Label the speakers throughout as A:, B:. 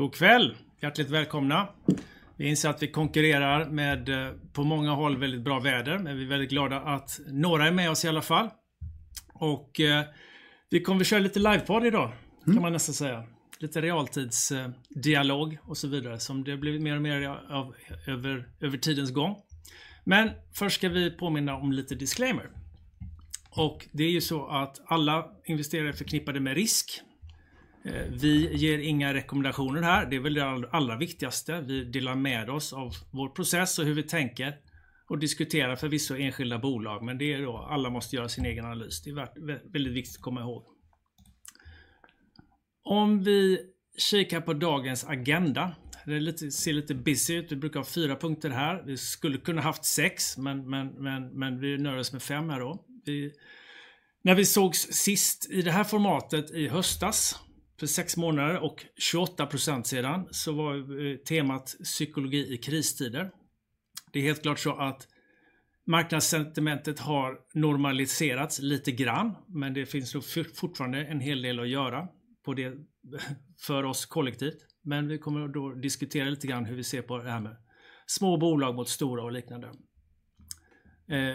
A: God kväll! Hjärtligt välkomna. Vi inser att vi konkurrerar med, på många håll, väldigt bra väder, men vi är väldigt glada att några är med oss i alla fall. Vi kommer att köra lite livepod idag, kan man nästan säga. Lite realtidsdialog och så vidare, som det har blivit mer och mer av över tidens gång. Men först ska vi påminna om lite disclaimer. Det är ju så att alla investeringar är förknippade med risk. Vi ger inga rekommendationer här, det är väl det allra viktigaste. Vi delar med oss av vår process och hur vi tänker och diskuterar förvisso enskilda bolag, men det är då, alla måste göra sin egen analys. Det är väldigt viktigt att komma ihåg. Om vi kikar på dagens agenda, det ser lite busy ut. Vi brukar ha fyra punkter här. Vi skulle kunna haft sex, men vi nöjer oss med fem här då. När vi sågs sist i det här formatet i höstas, för sex månader och 28% sedan, så var temat psykologi i kristider. Det är helt klart så att marknadssentimentet har normaliserats lite grann, men det finns nog fortfarande en hel del att göra på det för oss kollektivt. Vi kommer då diskutera lite grann hur vi ser på det här med små bolag mot stora och liknande.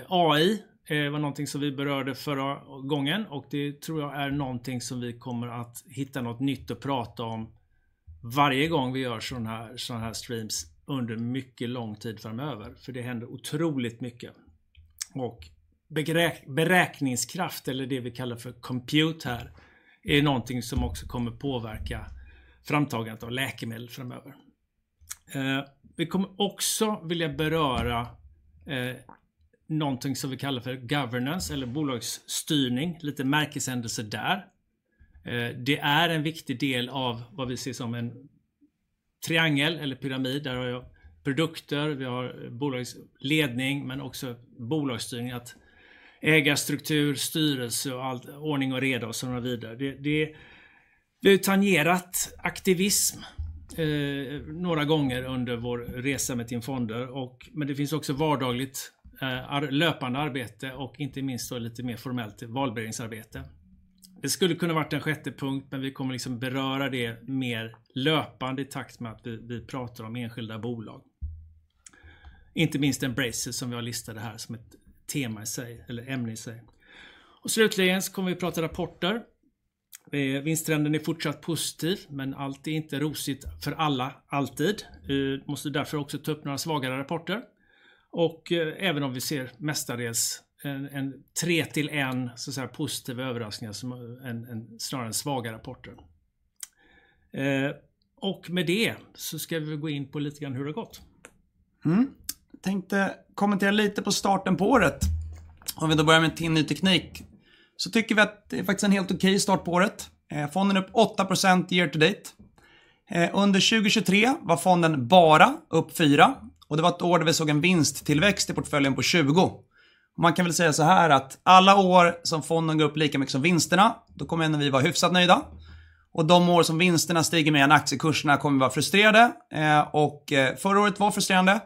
A: AI var någonting som vi berörde förra gången och det tror jag är någonting som vi kommer att hitta något nytt att prata om varje gång vi gör sådana här streams under mycket lång tid framöver. För det händer otroligt mycket. Beräkningskraft eller det vi kallar för compute här, är någonting som också kommer påverka framtagandet av läkemedel framöver. Vi kommer också vilja beröra någonting som vi kallar för governance eller bolagsstyrning. Lite märkeshändelser där. Det är en viktig del av vad vi ser som en triangel eller pyramid. Där har vi produkter, vi har bolagsledning, men också bolagsstyrning, att ägarstruktur, styrelse och allt, ordning och reda och så vidare. Det har tangerat aktivism några gånger under vår resa med Tin Fonder, men det finns också vardagligt, löpande arbete och inte minst då lite mer formellt valberedningsarbete. Det skulle kunna vara den sjätte punkt, men vi kommer beröra det mer löpande i takt med att vi pratar om enskilda bolag. Inte minst Embrace, som vi har listat det här som ett tema i sig eller ämne i sig. Slutligen så kommer vi prata rapporter. Vinsttrenden är fortsatt positiv, men allt är inte rosigt för alla, alltid. Vi måste därför också ta upp några svagare rapporter och även om vi ser mestadels en, en tre till en, så att säga, positiva överraskningar snarare än svaga rapporter. Och med det så ska vi gå in på lite grann hur det har gått.
B: Tänkte kommentera lite på starten på året. Om vi då börjar med Tin Ny Teknik, så tycker vi att det är faktiskt en helt okej start på året. Fonden är upp 8% year to date. Under 2023 var fonden bara upp 4% och det var ett år där vi såg en vinsttillväxt i portföljen på 20%. Man kan väl säga såhär att alla år som fonden går upp lika mycket som vinsterna, då kommer vi ändå vara hyfsat nöjda. De år som vinsterna stiger mer än aktiekurserna kommer vi vara frustrerade. Förra året var frustrerande.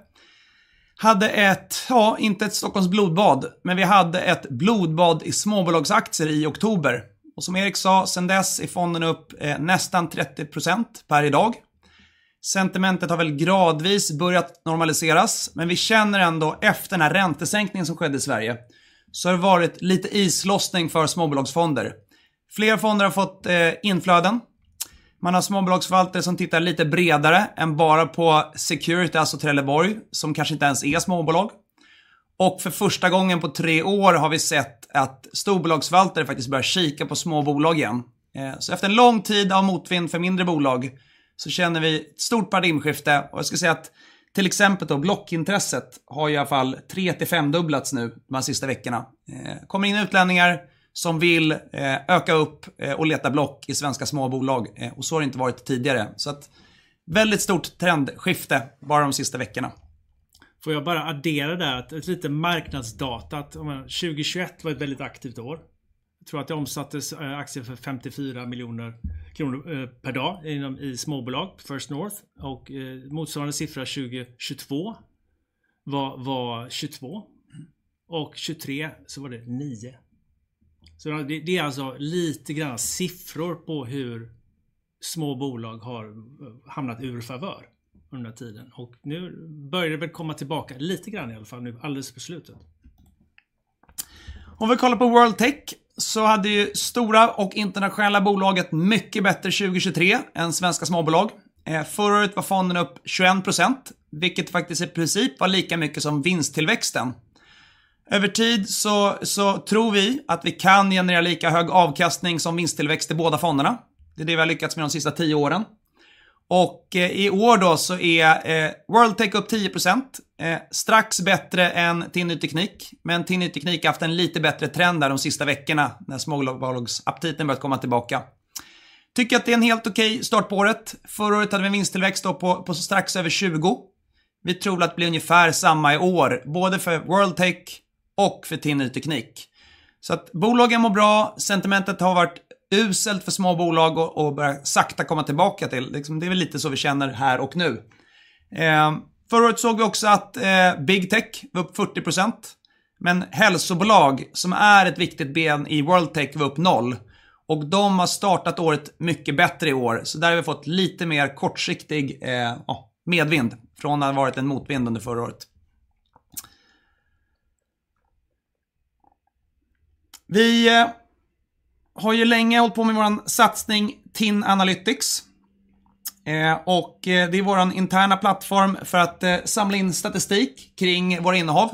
B: Hade ett, ja, inte ett Stockholms blodbad, men vi hade ett blodbad i småbolagsaktier i oktober. Som Erik sa, sedan dess är fonden upp nästan 30% per i dag. Sentimentet har väl gradvis börjat normaliseras, men vi känner ändå efter den här räntesänkningen som skedde i Sverige, så har det varit lite islossning för småbolagsfonder. Fler fonder har fått inflöden. Man har småbolagsförvaltare som tittar lite bredare än bara på Security, alltså Trelleborg, som kanske inte ens är småbolag. För första gången på tre år har vi sett att storbolagsförvaltare faktiskt börjar kika på små bolag igen. Efter en lång tid av motvind för mindre bolag, så känner vi ett stort paradigmskifte och jag skulle säga att till exempel blockintresset har i alla fall tre till femdubblats nu de här sista veckorna. Kommer in utlänningar som vill öka upp och leta block i svenska små bolag och så har det inte varit tidigare. Väldigt stort trendskifte bara de sista veckorna.
A: Får jag bara addera där att lite marknadsdata, att om man, 2021 var ett väldigt aktivt år. Tror att det omsattes aktier för 54 miljoner kronor per dag inom småbolag, First North, och motsvarande siffra 2022 var 22 och 2023 så var det 9. Så det är alltså lite grann siffror på hur små bolag har hamnat ur favör under den tiden och nu börjar det väl komma tillbaka lite grann, i alla fall nu alldeles på slutet.
B: Om vi kollar på World Tech så hade ju stora och internationella bolag ett mycket bättre 2023 än svenska småbolag. Förra året var fonden upp 21%, vilket faktiskt i princip var lika mycket som vinsttillväxten. Över tid så tror vi att vi kan generera lika hög avkastning som vinsttillväxt i båda fonderna. Det är det vi har lyckats med de sista tio åren. I år då så är World Tech upp 10%, strax bättre än Tin Ny Teknik, men Tin Ny Teknik har haft en lite bättre trend där de sista veckorna när småbolagsaptiten börjat komma tillbaka. Tycker att det är en helt okej start på året. Förra året hade vi en vinsttillväxt på strax över 20%. Vi tror det blir ungefär samma i år, både för World Tech och för Tin Ny Teknik. Så att bolagen mår bra, sentimentet har varit uselt för små bolag och börjar sakta komma tillbaka till. Det är väl lite så vi känner här och nu. Förra året såg vi också att Big Tech var upp 40%... Men hälsobolag, som är ett viktigt ben i World Tech, var upp noll. De har startat året mycket bättre i år, så där har vi fått lite mer kortsiktig, ja, medvind från att ha varit en motvind under förra året. Vi har ju länge hållit på med vår satsning TIN Analytics, och det är vår interna plattform för att samla in statistik kring våra innehav.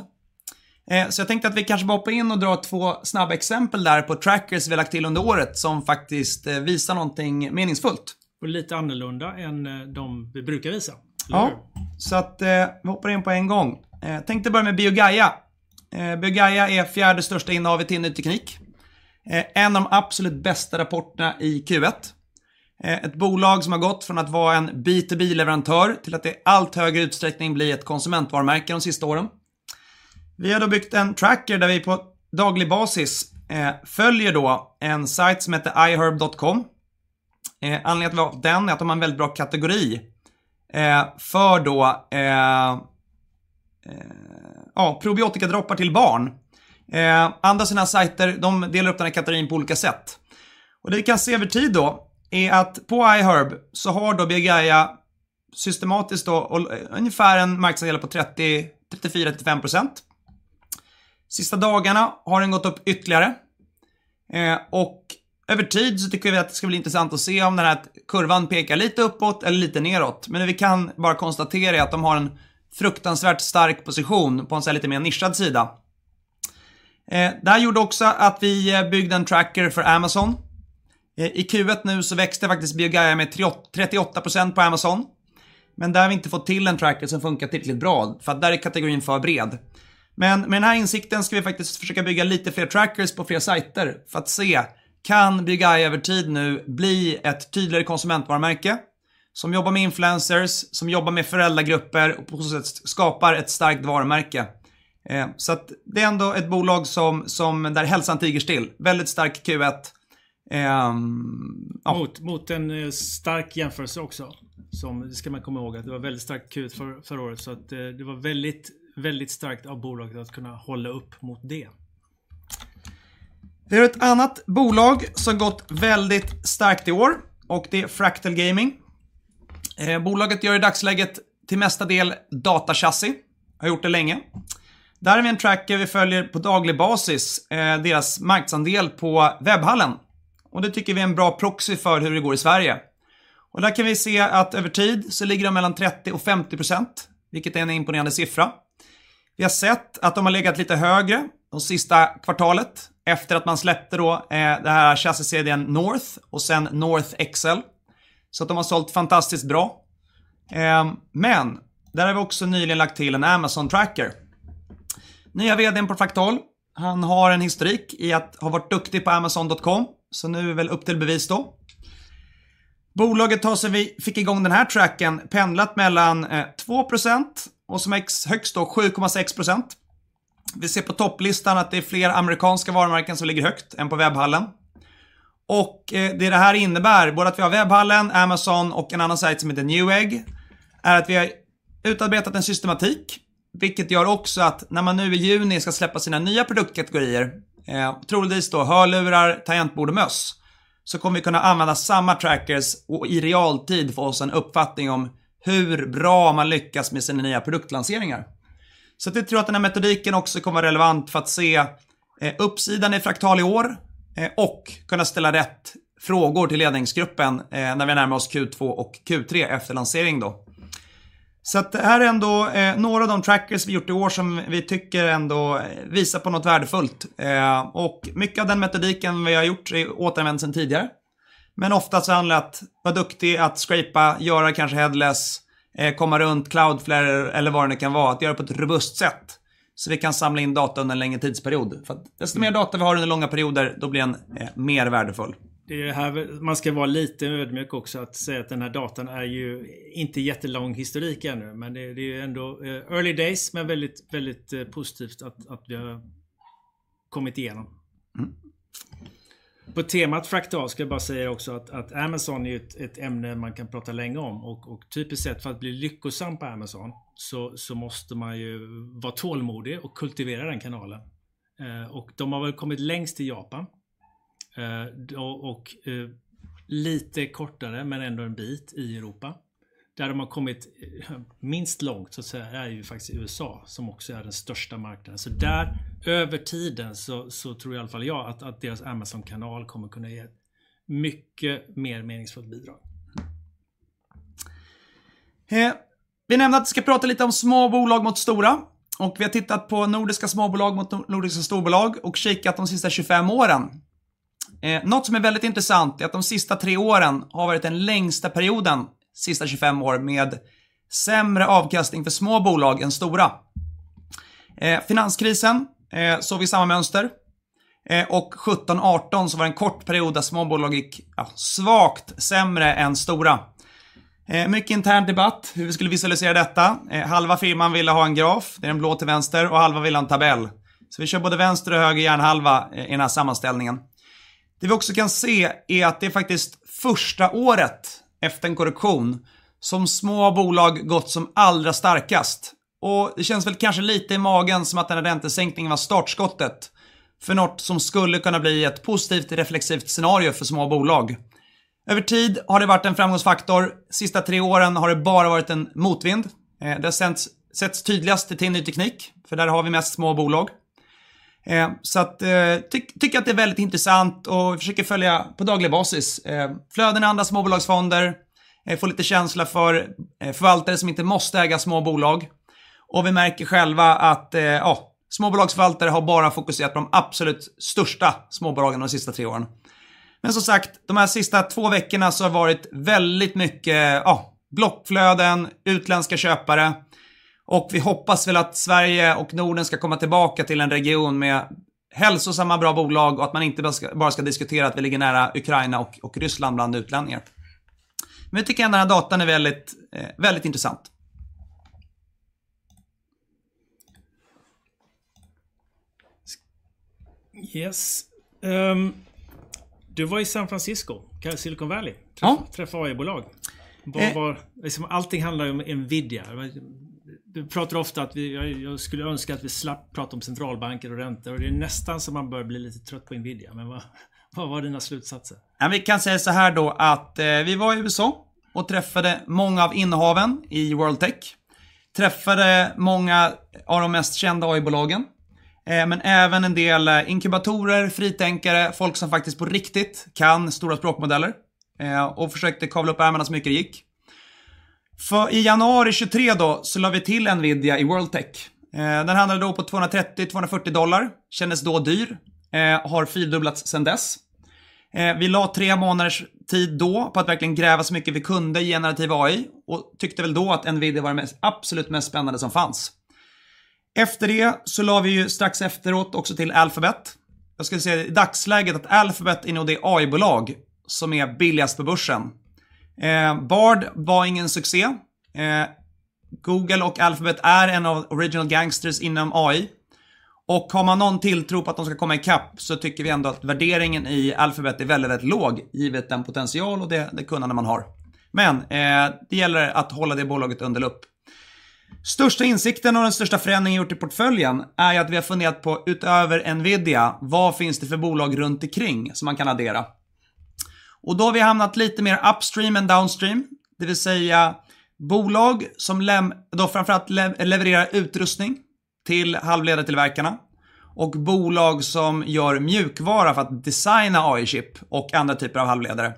B: Så jag tänkte att vi kanske hoppar in och drar två snabba exempel där på trackers vi har lagt till under året, som faktiskt visar någonting meningsfullt.
A: Och lite annorlunda än de vi brukar visa.
B: Ja, så att vi hoppar in på en gång. Jag tänkte börja med BioGaia. BioGaia är fjärde största innehavet i ny teknik. En av de absolut bästa rapporterna i Q1. Ett bolag som har gått från att vara en B2B-leverantör till att i allt högre utsträckning bli ett konsumentvarumärke de sista åren. Vi har då byggt en tracker där vi på daglig basis följer då en sajt som heter iHerb.com. Anledningen till varför den är att de har en väldigt bra kategori för då probiotika droppar till barn. Andra sådana här sajter, de delar upp den här kategorin på olika sätt. Och det vi kan se över tid då, är att på iHerb så har då BioGaia systematiskt då, ungefär en marknadsandel på 30-35%. Sista dagarna har den gått upp ytterligare, och över tid så tycker vi att det ska bli intressant att se om den här kurvan pekar lite uppåt eller lite nedåt. Men vi kan bara konstatera är att de har en fruktansvärt stark position på en sådan här lite mer nischad sida. Det här gjorde också att vi byggde en tracker för Amazon. I Q1 nu så växte faktiskt Biogaia med 38% på Amazon, men där har vi inte fått till en tracker som funkar tillräckligt bra, för att där är kategorin för bred. Men med den här insikten ska vi faktiskt försöka bygga lite fler trackers på fler sajter för att se, kan Biogaia över tid nu bli ett tydligare konsumentvarumärke? Som jobbar med influencers, som jobbar med föräldragrupper och på så sätt skapar ett starkt varumärke. Så att det är ändå ett bolag som, där hälsan tiger still. Väldigt stark Q1.
A: Mot, mot en stark jämförelse också. Som det ska man komma ihåg, att det var väldigt starkt Q1 förra året, så att det var väldigt, väldigt starkt av bolaget att kunna hålla upp mot det.
B: Det är ett annat bolag som gått väldigt starkt i år och det är Fractal Gaming. Bolaget gör i dagsläget till mesta del datachassi. Har gjort det länge. Där har vi en tracker, vi följer på daglig basis deras marknadsandel på Webhallen. Det tycker vi är en bra proxy för hur det går i Sverige. Där kan vi se att över tid så ligger de mellan 30% och 50%, vilket är en imponerande siffra. Vi har sett att de har legat lite högre de sista kvartalet efter att man släppte det här chassit North och sen North XL. Så att de har sålt fantastiskt bra. Men där har vi också nyligen lagt till en Amazon-tracker. Nya VD:n på Fractal, han har en historik i att ha varit duktig på Amazon.com, så nu är det väl upp till bevis då. Bolaget har sedan vi fick igång den här tracken pendlat mellan två procent och som högst då 7,6%. Vi ser på topplistan att det är fler amerikanska varumärken som ligger högt än på Webhallen. Det här innebär, både att vi har Webhallen, Amazon och en annan sajt som heter New Egg, är att vi har utarbetat en systematik, vilket gör också att när man nu i juni ska släppa sina nya produktkategorier, troligtvis då hörlurar, tangentbord och möss, så kommer vi kunna använda samma trackers och i realtid få oss en uppfattning om hur bra man lyckas med sina nya produktlanseringar. Vi tror att den här metodiken också kommer vara relevant för att se uppsidan i Fractal i år och kunna ställa rätt frågor till ledningsgruppen när vi närmar oss Q2 och Q3 efter lansering då. Så att det här är ändå några av de trackers vi gjort i år som vi tycker ändå visar på något värdefullt. Och mycket av den metodiken vi har gjort är återanvänt sedan tidigare, men oftast så handlar det att vara duktig, att shapea, göra kanske headless, komma runt Cloudflare eller vad det nu kan vara. Att göra på ett robust sätt, så vi kan samla in data under en längre tidsperiod. För desto mer data vi har under långa perioder, då blir den mer värdefull.
A: Det är här man ska vara lite ödmjuk också. Att säga att den här datan är ju inte jättelång historik ännu, men det är ändå early days, men väldigt, väldigt positivt att vi har kommit igenom. På temat Fractal ska jag bara säga också att Amazon är ju ett ämne man kan prata länge om och typiskt sett för att bli lyckosam på Amazon, så måste man ju vara tålmodig och kultivera den kanalen. De har väl kommit längst i Japan. Lite kortare, men ändå en bit i Europa, där de har kommit minst långt så att säga, är ju faktiskt USA, som också är den största marknaden. Så där över tiden så tror i alla fall jag att deras Amazon-kanal kommer kunna ge ett mycket mer meningsfullt bidrag.
B: Vi nämnde att vi ska prata lite om små bolag mot stora och vi har tittat på nordiska småbolag mot nordiska storbolag och kikat de sista tjugofem åren. Något som är väldigt intressant är att de sista tre åren har varit den längsta perioden, sista tjugofem år, med sämre avkastning för små bolag än stora. Finanskrisen såg vi samma mönster. Och sjutton, arton, så var det en kort period där små bolag gick, ja, svagt sämre än stora. Mycket intern debatt, hur vi skulle visualisera detta. Halva firman ville ha en graf, det är den blå till vänster, och halva ville ha en tabell. Så vi kör både vänster och höger hjärnhalva i den här sammanställningen. Det vi också kan se är att det är faktiskt första året efter en korrektion som små bolag gått som allra starkast. Och det känns väl kanske lite i magen som att den här räntesänkningen var startskottet för något som skulle kunna bli ett positivt reflexivt scenario för små bolag. Över tid har det varit en framgångsfaktor. Sista tre åren har det bara varit en motvind. Det har setts tydligast i Tinny Teknik, för där har vi mest små bolag. Så att, tycker att det är väldigt intressant och försöker följa på daglig basis flöden i andra småbolagsfonder, får lite känsla för förvaltare som inte måste äga små bolag. Vi märker själva att småbolagsförvaltare har bara fokuserat på de absolut största småbolagen de sista tre åren. Men som sagt, de här sista två veckorna så har det varit väldigt mycket, ja, blockflöden, utländska köpare och vi hoppas väl att Sverige och Norden ska komma tillbaka till en region med hälsosamma bra bolag och att man inte bara ska diskutera att vi ligger nära Ukraina och Ryssland bland utlänningar. Men jag tycker den här datan är väldigt, väldigt intressant.
A: Yes, eh, du var i San Francisco, Silicon Valley?
B: Ja.
A: Träffa AI-bolag. Vad var... Allting handlar ju om Nvidia. Du pratar ofta att vi, jag skulle önska att vi slapp prata om centralbanker och räntor, och det är nästan så man börjar bli lite trött på Nvidia. Men vad, vad var dina slutsatser?
B: Ja, vi kan säga såhär då att vi var i USA och träffade många av innehaven i World Tech. Träffade många av de mest kända AI-bolagen, men även en del inkubatorer, fritänkare, folk som faktiskt på riktigt kan stora språkmodeller, och försökte kavla upp ärmarna så mycket det gick. För i januari 2023 då, så la vi till Nvidia i World Tech. Den handlade då på $230, $240. Kändes då dyr, har fyrdubblats sedan dess. Vi la tre månaders tid då på att verkligen gräva så mycket vi kunde i generativ AI och tyckte väl då att Nvidia var det mest, absolut mest spännande som fanns. Efter det så la vi ju strax efteråt också till Alphabet. Jag skulle säga i dagsläget att Alphabet innehar det AI-bolag som är billigast på börsen. Bard var ingen succé. Google och Alphabet är en av original gangsters inom AI och har man någon tilltro på att de ska komma i kapp, så tycker vi ändå att värderingen i Alphabet är väldigt låg, givet den potential och det kunnande man har. Men det gäller att hålla det bolaget under lupp. Största insikten och den största förändringen vi gjort i portföljen är att vi har funderat på, utöver Nvidia, vad finns det för bolag runt ikring som man kan addera? Då har vi hamnat lite mer upstream än downstream, det vill säga bolag som framför allt levererar utrustning till halvtillverkarna och bolag som gör mjukvara för att designa AI-chip och andra typer av halvledare.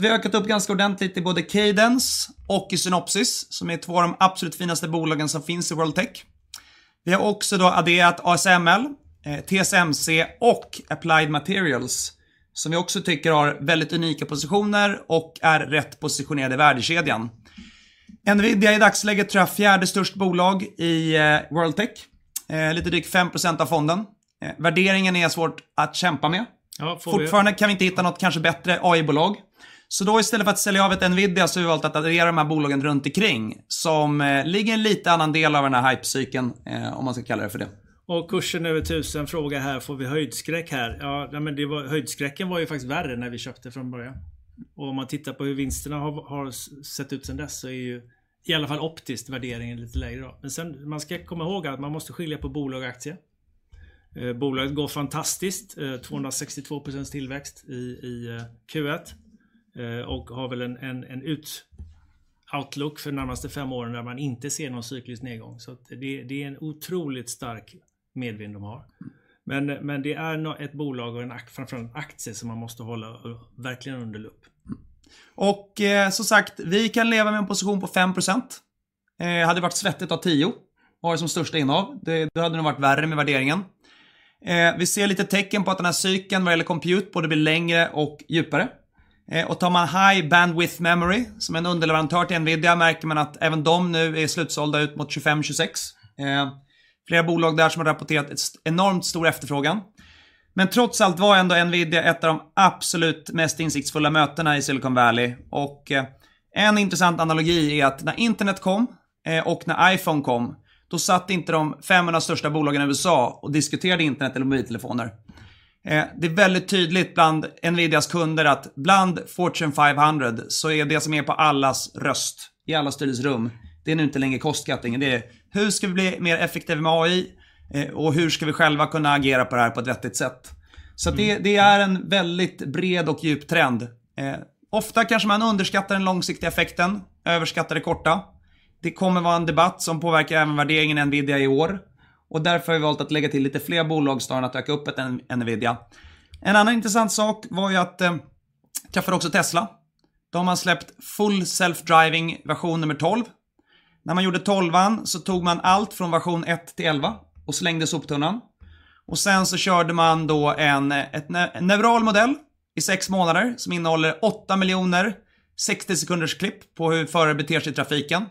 B: Vi har ökat upp ganska ordentligt i både Cadence och i Synopsys, som är två av de absolut finaste bolagen som finns i World Tech. Vi har också då adderat ASML, TSMC och Applied Materials, som vi också tycker har väldigt unika positioner och är rätt positionerade i värdekedjan. Nvidia är i dagsläget tror jag fjärde största bolag i World Tech, lite drygt 5% av fonden. Värderingen är svår att kämpa med.
A: Ja, får vi-
B: Fortfarande kan vi inte hitta något kanske bättre AI-bolag. Så då istället för att sälja av ett Nvidia, så har vi valt att addera de här bolagen runt ikring, som ligger i en lite annan del av den här hype-cykeln, om man ska kalla det för det.
A: Och kursen över tusen, fråga här, får vi höjdskräck här? Ja, men det var, höjdskräcken var ju faktiskt värre när vi köpte från början. Och om man tittar på hur vinsterna har sett ut sedan dess, så är ju i alla fall optiskt värderingen lite lägre då. Men sen, man ska komma ihåg att man måste skilja på bolag och aktie. Bolaget går fantastiskt, 262% tillväxt i Q1, och har väl en outlook för närmaste fem åren där man inte ser någon cyklisk nedgång. Så att det, det är en otroligt stark medvind de har. Men det är ett bolag och en aktie, framför allt en aktie, som man måste hålla verkligen under lupp.
B: Och som sagt, vi kan leva med en position på 5%. Hade det varit svettigt av 10%, var det som största innehav. Det hade nog varit värre med värderingen. Vi ser lite tecken på att den här cykeln vad gäller compute, både blir längre och djupare. Och tar man high bandwidth memory, som är en underleverantör till Nvidia, märker man att även de nu är slutsålda ut mot 2025, 2026. Flera bolag där som har rapporterat enormt stor efterfrågan. Men trots allt var ändå Nvidia ett av de absolut mest insiktsfulla mötena i Silicon Valley och en intressant analogi är att när internet kom och när iPhone kom, då satt inte de 500 största bolagen i USA och diskuterade internet eller mobiltelefoner. Det är väldigt tydligt bland Nvidias kunder att bland Fortune 500 så är det som är på allas röst, i allas styrelserum, det är nu inte längre cost cutting. Det är: hur ska vi bli mer effektiva med AI? Hur ska vi själva kunna agera på det här på ett rättvist sätt? Det är en väldigt bred och djup trend. Ofta kanske man underskattar den långsiktiga effekten, överskattar det korta. Det kommer vara en debatt som påverkar även värderingen i Nvidia i år och därför har vi valt att lägga till lite fler bolag snarare än att öka upp ett Nvidia. En annan intressant sak var ju att, träffade också Tesla. Då har man släppt Full Self Driving, version nummer tolv. När man gjorde tolvan så tog man allt från version ett till elva och slängde i soptunnan. Och sen så körde man då en neural modell i sex månader som innehåller åtta miljoner sextio sekunders klipp på hur förare beter sig i trafiken.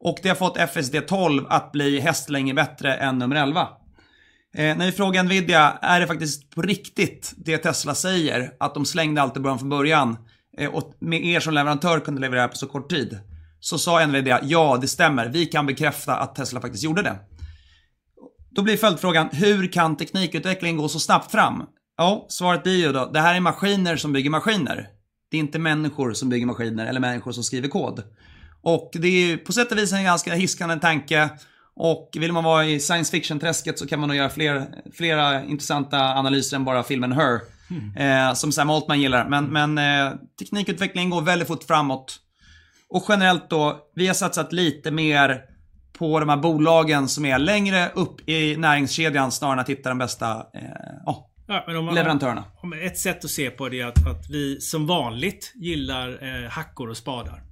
B: Och det har fått FSD tolv att bli hästlängder bättre än nummer elva. När vi frågar Nvidia, är det faktiskt på riktigt det Tesla säger, att de slängde allt i början från början och med er som leverantör kunde leverera på så kort tid? Så sa Nvidia: "Ja, det stämmer, vi kan bekräfta att Tesla faktiskt gjorde det." Då blir följdfrågan: Hur kan teknikutvecklingen gå så snabbt fram? Ja, svaret det är ju då, det här är maskiner som bygger maskiner. Det är inte människor som bygger maskiner eller människor som skriver kod. Och det är på sätt och vis en ganska hisnande tanke och vill man vara i science fiction-träsket så kan man nog göra fler, flera intressanta analyser än bara filmen Her som Sam Altman gillar. Men teknikutvecklingen går väldigt fort framåt och generellt då, vi har satsat lite mer på de här bolagen som är längre upp i näringskedjan snarare än att hitta de bästa leverantörerna.
A: Ett sätt att se på det är att vi som vanligt gillar hackor och spadar.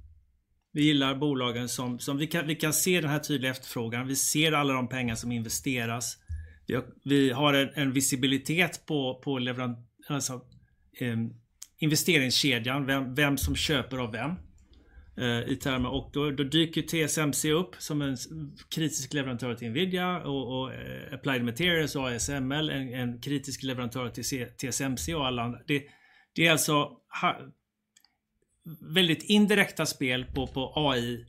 A: Vi gillar bolagen som vi kan se den här tydliga efterfrågan. Vi ser alla de pengar som investeras. Vi har en visibilitet på leveranskedjan, alltså investeringskedjan, vem som köper av vem i termer. Då dyker TSMC upp som en kritisk leverantör till Nvidia och Applied Materials och ASML, en kritisk leverantör till TSMC och alla andra. Det är alltså väldigt indirekta spel på AI.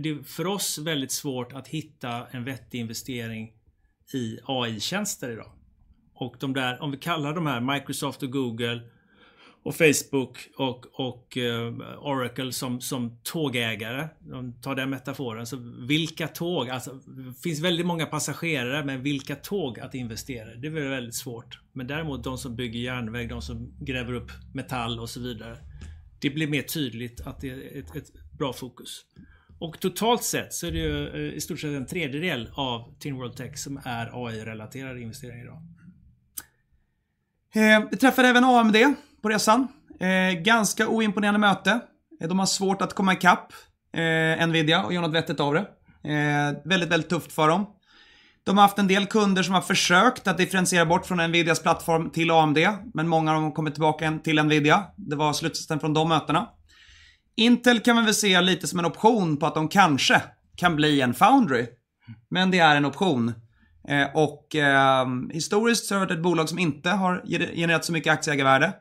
A: Det är för oss väldigt svårt att hitta en vettig investering i AI-tjänster idag. De där, om vi kallar Microsoft och Google och Facebook och Oracle som tågägare, om vi tar den metaforen, så vilka tåg? Alltså, det finns väldigt många passagerare, men vilka tåg att investera i? Det blir väldigt svårt. Men däremot, de som bygger järnväg, de som gräver upp metall och så vidare, det blir mer tydligt att det är ett bra fokus. Och totalt sett så är det ju i stort sett en tredjedel av Tin World Tech som är AI-relaterade investeringar i dag.
B: Vi träffade även AMD på resan. Ganska oimponerande möte. De har svårt att komma i kapp Nvidia och göra något vettigt av det. Väldigt, väldigt tufft för dem. De har haft en del kunder som har försökt att differentiera bort från Nvidias plattform till AMD, men många har kommit tillbaka igen till Nvidia. Det var slutsatsen från de mötena. Intel kan man väl se lite som en option på att de kanske kan bli en foundry, men det är en option. Historiskt så har det varit ett bolag som inte har genererat så mycket aktieägarvärde.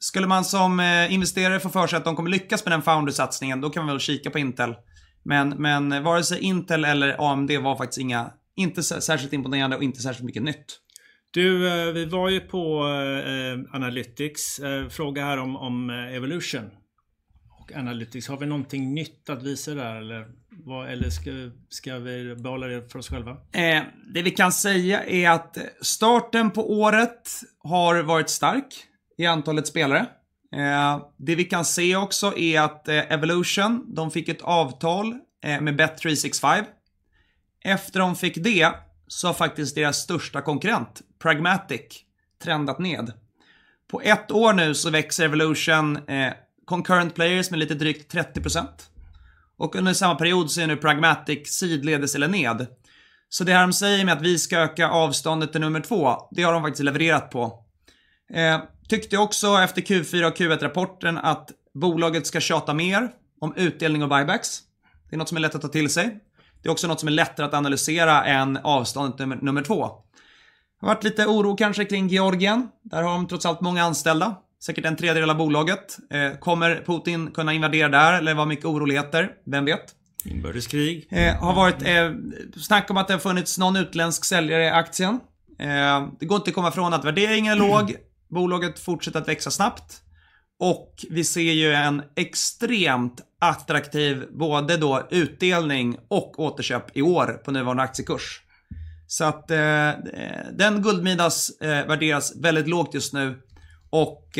B: Skulle man som investerare få för sig att de kommer lyckas med den foundry-satsningen, då kan man väl kika på Intel. Men vare sig Intel eller AMD var faktiskt inga, inte särskilt imponerande och inte särskilt mycket nytt.
A: Du, vi var ju på Analytics. En fråga här om Evolution och Analytics. Har vi någonting nytt att visa där? Eller vad, eller ska vi behålla det för oss själva?
B: Det vi kan säga är att starten på året har varit stark i antalet spelare. Det vi kan se också är att Evolution, de fick ett avtal med Bet365. Efter de fick det, så har faktiskt deras största konkurrent, Pragmatic, trendat ned. På ett år nu så växer Evolution concurrent players med lite drygt 30%. Under samma period ser ni Pragmatic sidledes eller ned. Så det här de säger med att vi ska öka avståndet till nummer två, det har de faktiskt levererat på. Tyckte jag också efter Q4 och Q1-rapporten att bolaget ska tjata mer om utdelning och buybacks. Det är något som är lätt att ta till sig. Det är också något som är lättare att analysera än avståndet till nummer två. Det har varit lite oro kanske kring Georgien. Där har de trots allt många anställda, säkert en tredjedel av bolaget. Eh, kommer Putin kunna invadera där? Det var mycket oroligheter, vem vet?
A: Inbördeskrig.
B: Det har varit snack om att det har funnits någon utländsk säljare i aktien. Det går inte att komma från att värderingen är låg. Bolaget fortsätter att växa snabbt och vi ser ju en extremt attraktiv, både då utdelning och återköp i år på nuvarande aktiekurs. Så den guldgruvan värderas väldigt lågt just nu och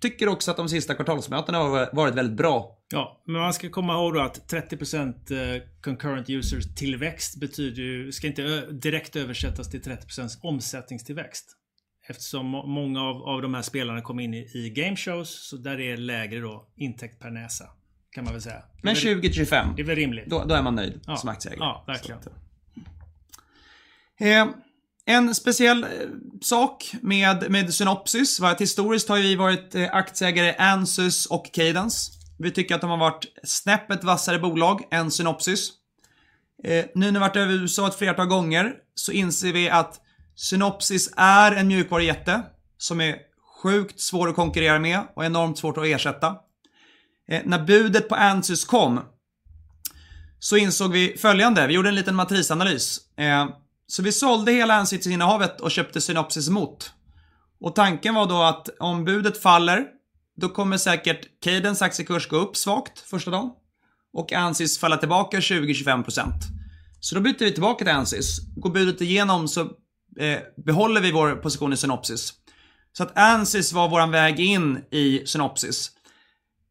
B: tycker också att de sista kvartalsmötena har varit väldigt bra.
A: Ja, men man ska komma ihåg då att 30% concurrent users tillväxt betyder ju, ska inte direkt översättas till 30% omsättningstillväxt. Eftersom många av de här spelarna kommer in i game shows, så där är lägre då intäkt per näsa, kan man väl säga.
B: Men tjugo, tjugofem.
A: Det är väl rimligt.
B: Då, då är man nöjd som aktieägare.
A: Ja, verkligen.
B: En speciell sak med Synopsys var att historiskt har vi varit aktieägare i Ansys och Cadence. Vi tycker att de har varit snäppet vassare bolag än Synopsys. Nu när vi har varit över i USA ett flera par gånger så inser vi att Synopsys är en mjukvarujätte som är sjukt svår att konkurrera med och enormt svårt att ersätta. När budet på Ansys kom så insåg vi följande: vi gjorde en liten matrisanalys. Så vi sålde hela Ansys-innehavet och köpte Synopsys emot. Tanken var då att om budet faller, då kommer säkert Cadence aktiekurs gå upp svagt första dagen och Ansys falla tillbaka 20-25%. Så då byter vi tillbaka till Ansys. Går budet igenom så behåller vi vår position i Synopsys. Så att Ansys var vår väg in i Synopsys.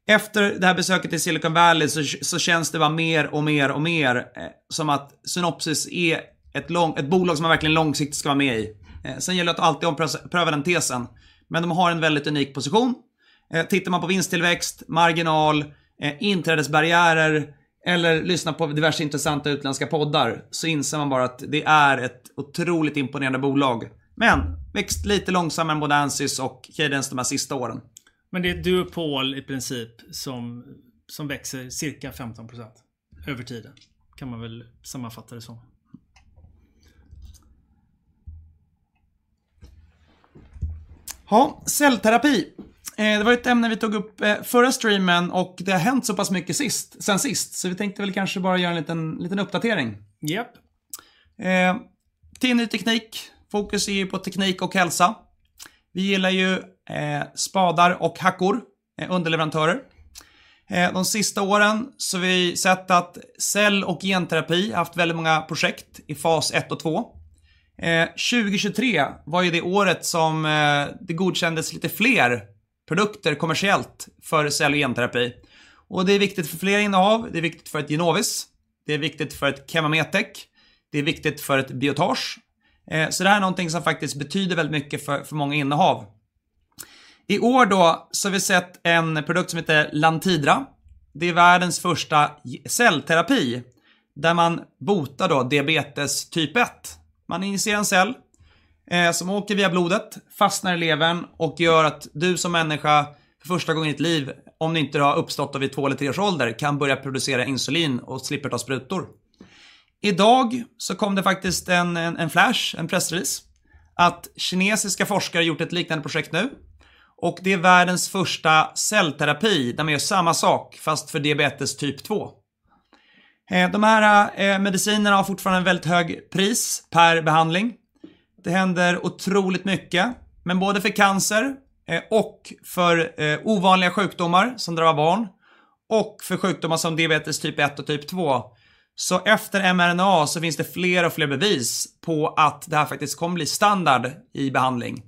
B: Efter det här besöket i Silicon Valley så känns det bara mer och mer som att Synopsys är ett bolag som man verkligen långsiktigt ska vara med i. Sen gäller det att alltid ompröva den tesen, men de har en väldigt unik position. Tittar man på vinsttillväxt, marginal, inträdesbarriärer eller lyssnar på diverse intressanta utländska poddar, så inser man bara att det är ett otroligt imponerande bolag. Men växt lite långsammare än både Ansys och Cadence de här sista åren.
A: Men det är ett duopol i princip som växer cirka 15% över tiden. Kan man väl sammanfatta det så.
B: Jaha, cellterapi. Det var ju ett ämne vi tog upp förra streamen och det har hänt så pass mycket sedan sist. Så vi tänkte väl kanske bara göra en liten uppdatering.
A: Yep.
B: Tiny Teknik fokus är ju på teknik och hälsa. Vi gillar ju spadar och hackor, underleverantörer. De sista åren så har vi sett att cell- och genterapi haft väldigt många projekt i fas ett och två. 2023 var ju det året som det godkändes lite fler produkter kommersiellt för cell- och genterapi. Det är viktigt för flera innehav, det är viktigt för ett Genovis, det är viktigt för ett Chemometec, det är viktigt för ett Biotage. Så det här är någonting som faktiskt betyder väldigt mycket för många innehav. I år då så har vi sett en produkt som heter Lantidra. Det är världens första cellterapi, där man botar då diabetes typ ett. Man injicerar en cell som åker via blodet, fastnar i levern och gör att du som människa, för första gången i ditt liv, om det inte har uppstått vid två eller tre års ålder, kan börja producera insulin och slipper ta sprutor. Idag så kom det faktiskt en flash, en pressrelease, att kinesiska forskare gjort ett liknande projekt nu och det är världens första cellterapi. De gör samma sak, fast för diabetes typ två. De här medicinerna har fortfarande en väldigt hög pris per behandling. Det händer otroligt mycket, men både för cancer och för ovanliga sjukdomar som drabbar barn och för sjukdomar som diabetes typ ett och typ två. Så efter mRNA så finns det fler och fler bevis på att det här faktiskt kommer bli standard i behandling.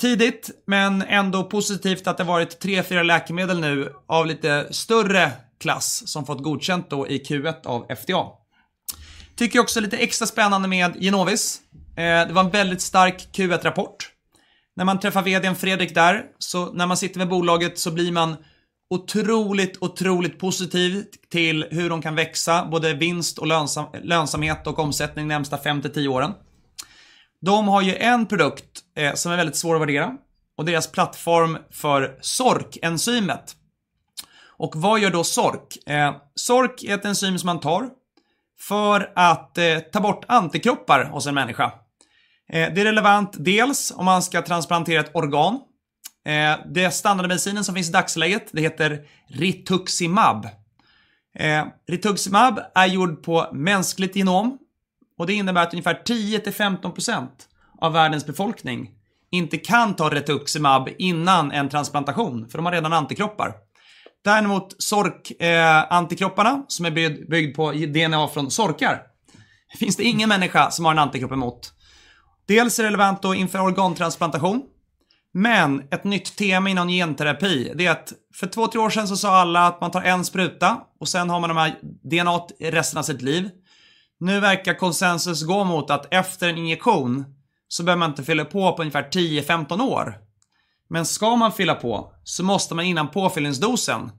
B: Tidigt, men ändå positivt att det har varit tre, fyra läkemedel nu av lite större klass som fått godkänt då i Q1 av FDA. Tycker också lite extra spännande med Genovis. Det var en väldigt stark Q1-rapport. När man träffar VD:n Fredrik där, så när man sitter med bolaget så blir man otroligt, otroligt positiv till hur de kan växa, både vinst och lönsamhet och omsättning närmsta fem till tio åren. De har ju en produkt som är väldigt svår att värdera och deras plattform för SORK-enzymet. Och vad gör då SORK? SORK är ett enzym som man tar för att ta bort antikroppar hos en människa. Det är relevant, dels om man ska transplantera ett organ. Den standardmedicinen som finns i dagsläget, det heter Rituximab. Rituximab är gjord på mänskligt genom och det innebär att ungefär 10% till 15% av världens befolkning inte kan ta Rituximab innan en transplantation, för de har redan antikroppar. Däremot SORK-antikropparna, som är byggd på DNA från sorkar, finns det ingen människa som har en antikropp emot. Dels är relevant då inför organtransplantation, men ett nytt tema inom genterapi, det är att för två, tre år sedan så sa alla att man tar en spruta och sedan har man de här DNA-resterna sitt liv. Nu verkar konsensus gå mot att efter en injektion så behöver man inte fylla på på ungefär tio, femton år. Men ska man fylla på, så måste man innan påfyllningsdosen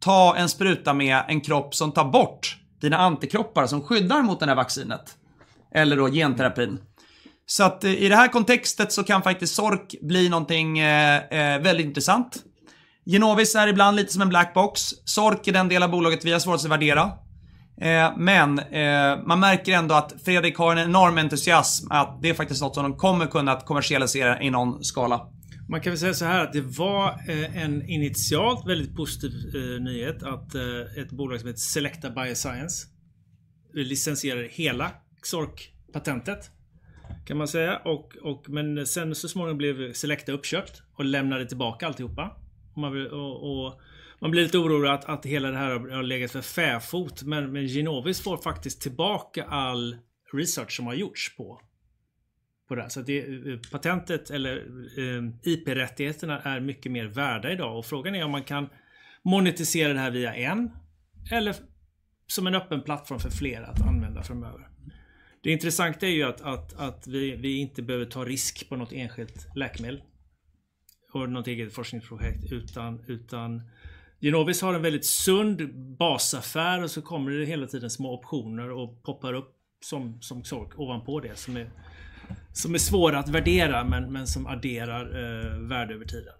B: ta en spruta med en kropp som tar bort dina antikroppar, som skyddar mot det här vaccinet eller då genterapin. Så att i det här kontextet så kan faktiskt SORK bli någonting väldigt intressant. Genovis är ibland lite som en black box. SORK är den del av bolaget vi har svårast att värdera. Men man märker ändå att Fredrik har en enorm entusiasm, att det är faktiskt något som de kommer kunna kommersialisera i någon skala.
A: Man kan väl säga såhär, att det var en initialt väldigt positiv nyhet att ett bolag som heter Selecta Bioscience licensierade hela SORK-patentet, kan man säga. Men sedan så småningom blev Selecta uppköpt och lämnade tillbaka alltihopa. Man blir lite orolig att hela det här har legat för fäfot, men Genovis får faktiskt tillbaka all research som har gjorts på det. Så att patentet eller IP-rättigheterna är mycket mer värda idag. Frågan är om man kan monetisera det här via en eller som en öppen plattform för fler att använda framöver. Det intressanta är ju att vi inte behöver ta risk på något enskilt läkemedel och något eget forskningsprojekt, utan Genovis har en väldigt sund basaffär och så kommer det hela tiden små optioner och poppar upp som SORK ovanpå det, som är svåra att värdera, men som adderar värde över tiden.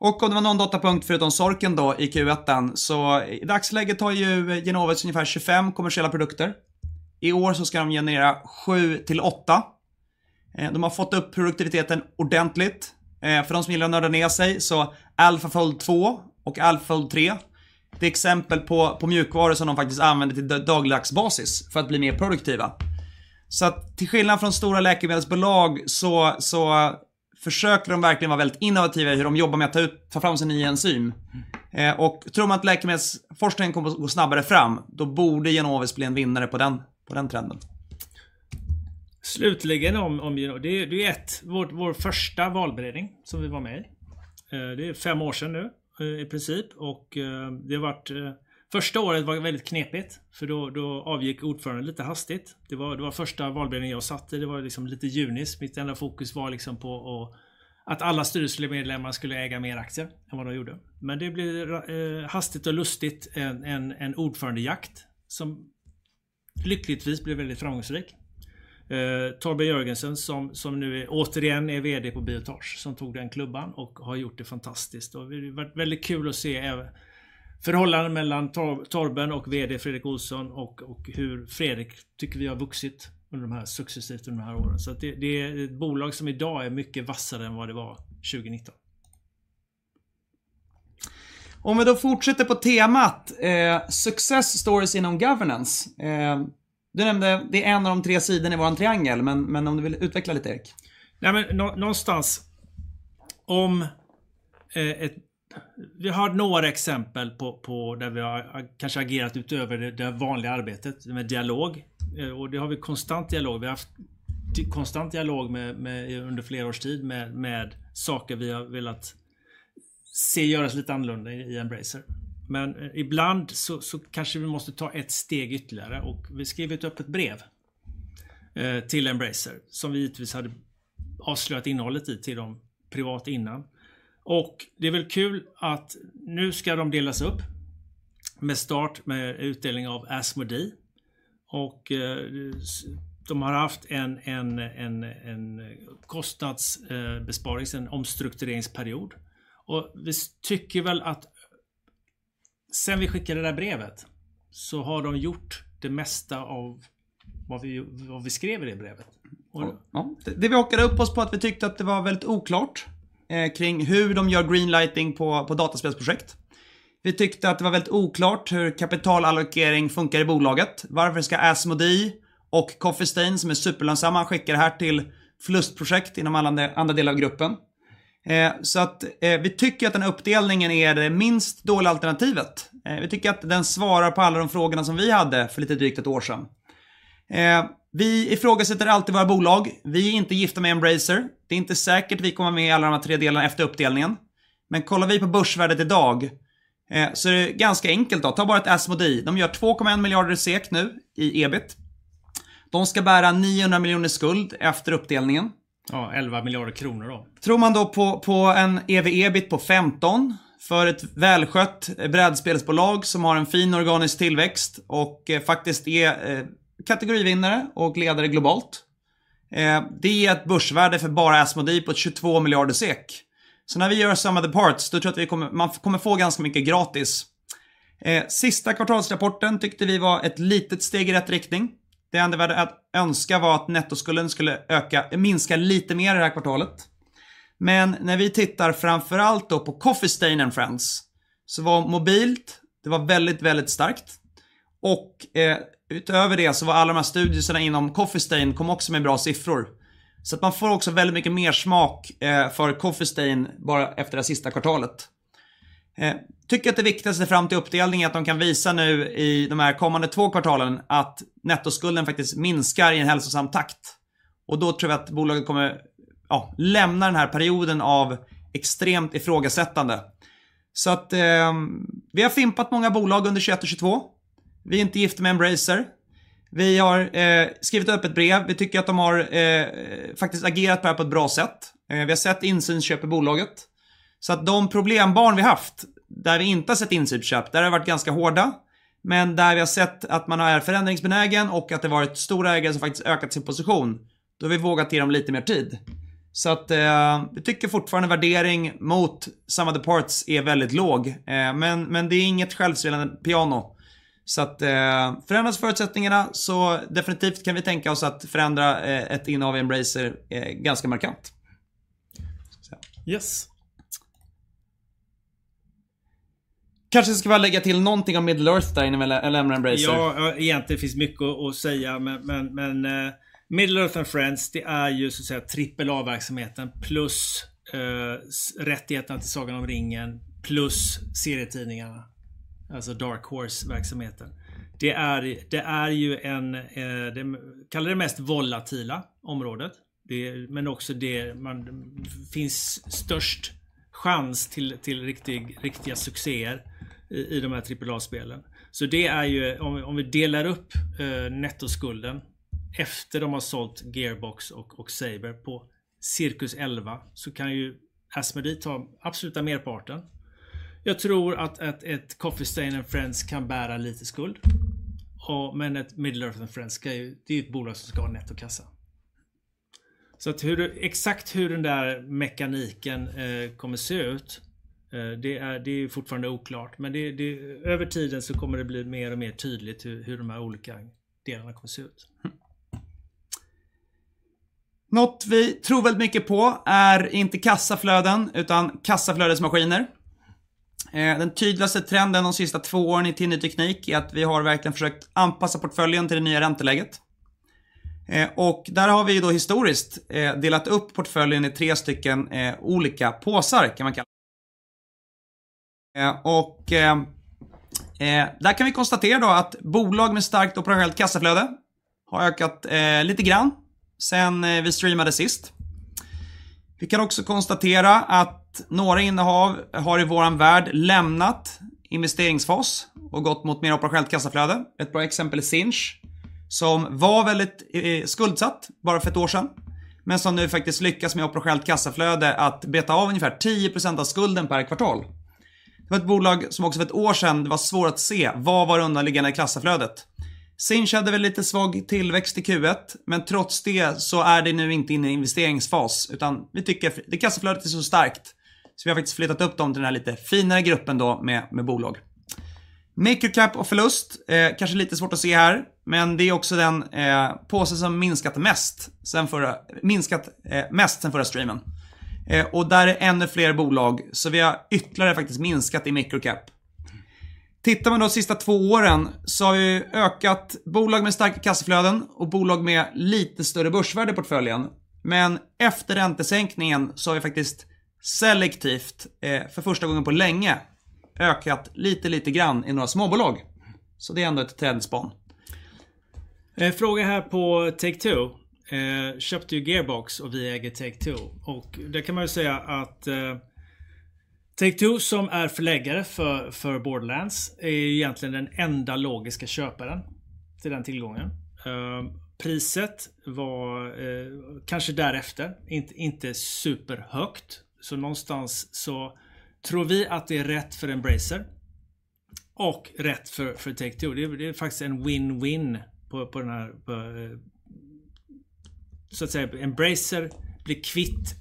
B: Och om det var någon datapunkt förutom SORK då i Q1, så i dagsläget har ju Genovis ungefär tjugofem kommersiella produkter. I år så ska de generera sju till åtta. De har fått upp produktiviteten ordentligt. För de som gillar att nörda ner sig, så Alpha Fold2 och Alpha Fold3. Det är exempel på mjukvaror som de faktiskt använder till daglig basis för att bli mer produktiva. Till skillnad från stora läkemedelsbolag, så försöker de verkligen vara väldigt innovativa i hur de jobbar med att ta ut, ta fram sina nya enzymer. Tror man att läkemedelsforskningen kommer att gå snabbare framåt, då borde Genovis bli en vinnare på den trenden.
A: Slutligen om Genovis, det är ju ett, vårt, vår första valberedning som vi var med i. Det är fem år sedan nu, i princip, och det har varit... Första året var väldigt knepigt, för då avgick ordföranden lite hastigt. Det var första valberedningen jag satt i. Det var liksom lite junis. Mitt enda fokus var liksom på att alla styrelsemedlemmar skulle äga mer aktier än vad de gjorde. Men det blev hastigt och lustigt, en ordförandejakt som lyckligtvis blev väldigt framgångsrik. Torbjörn Jörgensen, som nu återigen är VD på Biotage, som tog den klubban och har gjort det fantastiskt. Och det har varit väldigt kul att se förhållandet mellan Torbjörn och VD Fredrik Olsson och hur Fredrik tycker vi har vuxit under de här successivt under de här åren. Så att det, det är ett bolag som idag är mycket vassare än vad det var 2019.
B: Om vi då fortsätter på temat success stories inom governance. Du nämnde, det är en av de tre sidorna i vår triangel, men om du vill utveckla lite, Erik?
A: Nej, men någonstans om, ett-- vi har några exempel på där vi har kanske agerat utöver det vanliga arbetet med dialog. Vi har konstant dialog. Vi har haft konstant dialog med under flera års tid med saker vi har velat se göras lite annorlunda i Embracer. Men ibland så kanske vi måste ta ett steg ytterligare och vi skrev ett öppet brev till Embracer, som vi givetvis hade avslöjat innehållet i till dem privat innan. Det är väl kul att nu ska de delas upp med start med utdelning av Asmodee. De har haft en kostnadsbesparings-, en omstruktureringsperiod. Vi tycker väl att sedan vi skickade det där brevet, så har de gjort det mesta av vad vi skrev i det brevet.
B: Ja, det vi åkte upp oss på att vi tyckte att det var väldigt oklart kring hur de gör green lighting på dataspelsprojekt. Vi tyckte att det var väldigt oklart hur kapitalallokering funkar i bolaget, varför det ska Asmodee och Coffee Stain, som är superlönsamma, skicka det här till förlustprojekt inom alla andra delar av gruppen. Så att vi tycker att den uppdelningen är det minst dåliga alternativet. Vi tycker att den svarar på alla de frågorna som vi hade för lite drygt ett år sedan. Vi ifrågasätter alltid våra bolag. Vi är inte gifta med Embracer. Det är inte säkert vi kommer med i alla de här tre delarna efter uppdelningen. Men kollar vi på börsvärdet idag, så är det ganska enkelt då. Ta bara ett Asmodee. De gör 2,1 miljarder SEK nu i EBIT. De ska bära niohundra miljoner skuld efter uppdelningen.
A: Ja, elva miljarder kronor då.
B: Tror man då på en EV/EBIT på femton för ett välskött brädspelsbolag som har en fin organisk tillväxt och faktiskt är kategorivinnare och ledare globalt. Det är ett börsvärde för bara Asmodee på 22 miljarder SEK. När vi gör sum of the parts, då tror jag att vi kommer, man kommer få ganska mycket gratis. Sista kvartalsrapporten tyckte vi var ett litet steg i rätt riktning. Det enda vi hade att önska var att nettoskulden skulle minska lite mer det här kvartalet. Men när vi tittar framför allt då på Coffee Stain & Friends, så var mobilt väldigt, väldigt starkt. Utöver det så var alla de här studiorna inom Coffee Stain kom också med bra siffror. Man får också väldigt mycket mersmak för Coffee Stain bara efter det sista kvartalet. Tycker att det viktigaste fram till uppdelningen är att de kan visa nu i de här kommande två kvartalen att nettoskulden faktiskt minskar i en hälsosam takt. Då tror vi att bolaget kommer lämna den här perioden av extremt ifrågasättande. Vi har fimpat många bolag under 2021 och 2022. Vi är inte gifta med Embracer. Vi har skrivit ett öppet brev. Vi tycker att de faktiskt har agerat på det här på ett bra sätt. Vi har sett insynsköp i bolaget. De problembarn vi haft, där vi inte har sett insynsköp, där har vi varit ganska hårda, men där vi har sett att man är förändringsbenägen och att det har varit storägare som faktiskt ökat sin position, då har vi vågat ge dem lite mer tid. Så att vi tycker fortfarande värdering mot sum of the parts är väldigt låg, men det är inget självspelande piano. Så att förändras förutsättningarna, så definitivt kan vi tänka oss att förändra ett innehav i Embracer ganska markant.
A: Yes!
B: Kanske ska vi lägga till någonting om Middle-earth där inne mellan Embracer.
A: Ja, egentligen finns mycket att säga, men Middle-earth and Friends, det är ju så att säga trippel A-verksamheten, plus rättigheterna till Sagan om ringen, plus serietidningarna, alltså Dark Horse-verksamheten. Det är ju en, kalla det mest volatila området, det, men också det finns störst chans till riktiga succéer i de här trippel A-spelen. Så det är ju, om vi delar upp nettoskulden efter de har sålt Gearbox och Saber på cirka elva, så kan ju Asmodee ta absoluta merparten. Jag tror att ett Coffee Stain & Friends kan bära lite skuld. Men ett Middle-earth and Friends ska ju, det är ett bolag som ska ha nettokassa. Så att hur, exakt hur den där mekaniken kommer se ut, det är fortfarande oklart, men över tiden så kommer det bli mer och mer tydligt hur de här olika delarna kommer se ut.
B: Något vi tror väldigt mycket på är inte kassaflöden, utan kassaflödesmaskiner. Den tydligaste trenden de sista två åren i Tiny Teknik är att vi har verkligen försökt anpassa portföljen till det nya ränteläget. Där har vi då historiskt delat upp portföljen i tre stycken olika påsar, kan man kalla det. Där kan vi konstatera då att bolag med starkt och operativt kassaflöde har ökat lite grann sedan vi streamade sist. Vi kan också konstatera att några innehav har i vår värld lämnat investeringsfas och gått mot mer operativt kassaflöde. Ett bra exempel är Sinch, som var väldigt skuldsatt bara för ett år sedan, men som nu faktiskt lyckas med operativt kassaflöde att beta av ungefär 10% av skulden per kvartal. Det var ett bolag som också för ett år sedan, det var svårt att se var det underliggande kassaflödet var. Sinch hade väl lite svag tillväxt i Q1, men trots det så är det nu inte inne i investeringsfas, utan vi tycker kassaflödet är så starkt, så vi har faktiskt flyttat upp dem till den här lite finare gruppen då med bolag. Microcap och förlust, kanske lite svårt att se här, men det är också den påse som minskat mest sedan förra, minskat mest sedan förra streamen. Och där är ännu fler bolag, så vi har ytterligare faktiskt minskat i microcap. Tittar man de sista två åren så har ju ökat bolag med starka kassaflöden och bolag med lite större börsvärde i portföljen. Men efter räntesänkningen så har vi faktiskt selektivt, för första gången på länge ökat lite grann i några småbolag. Så det är ändå ett trendspån.
A: En fråga här på Take-Two. Köpte ju Gearbox och vi äger Take-Two. Och där kan man ju säga att Take-Two, som är förläggare för Borderlands, är egentligen den enda logiska köparen till den tillgången. Priset var kanske därefter, inte superhögt. Så någonstans så tror vi att det är rätt för Embracer och rätt för Take-Two. Det är faktiskt en win-win på den här. Så att säga, Embracer blir kvitt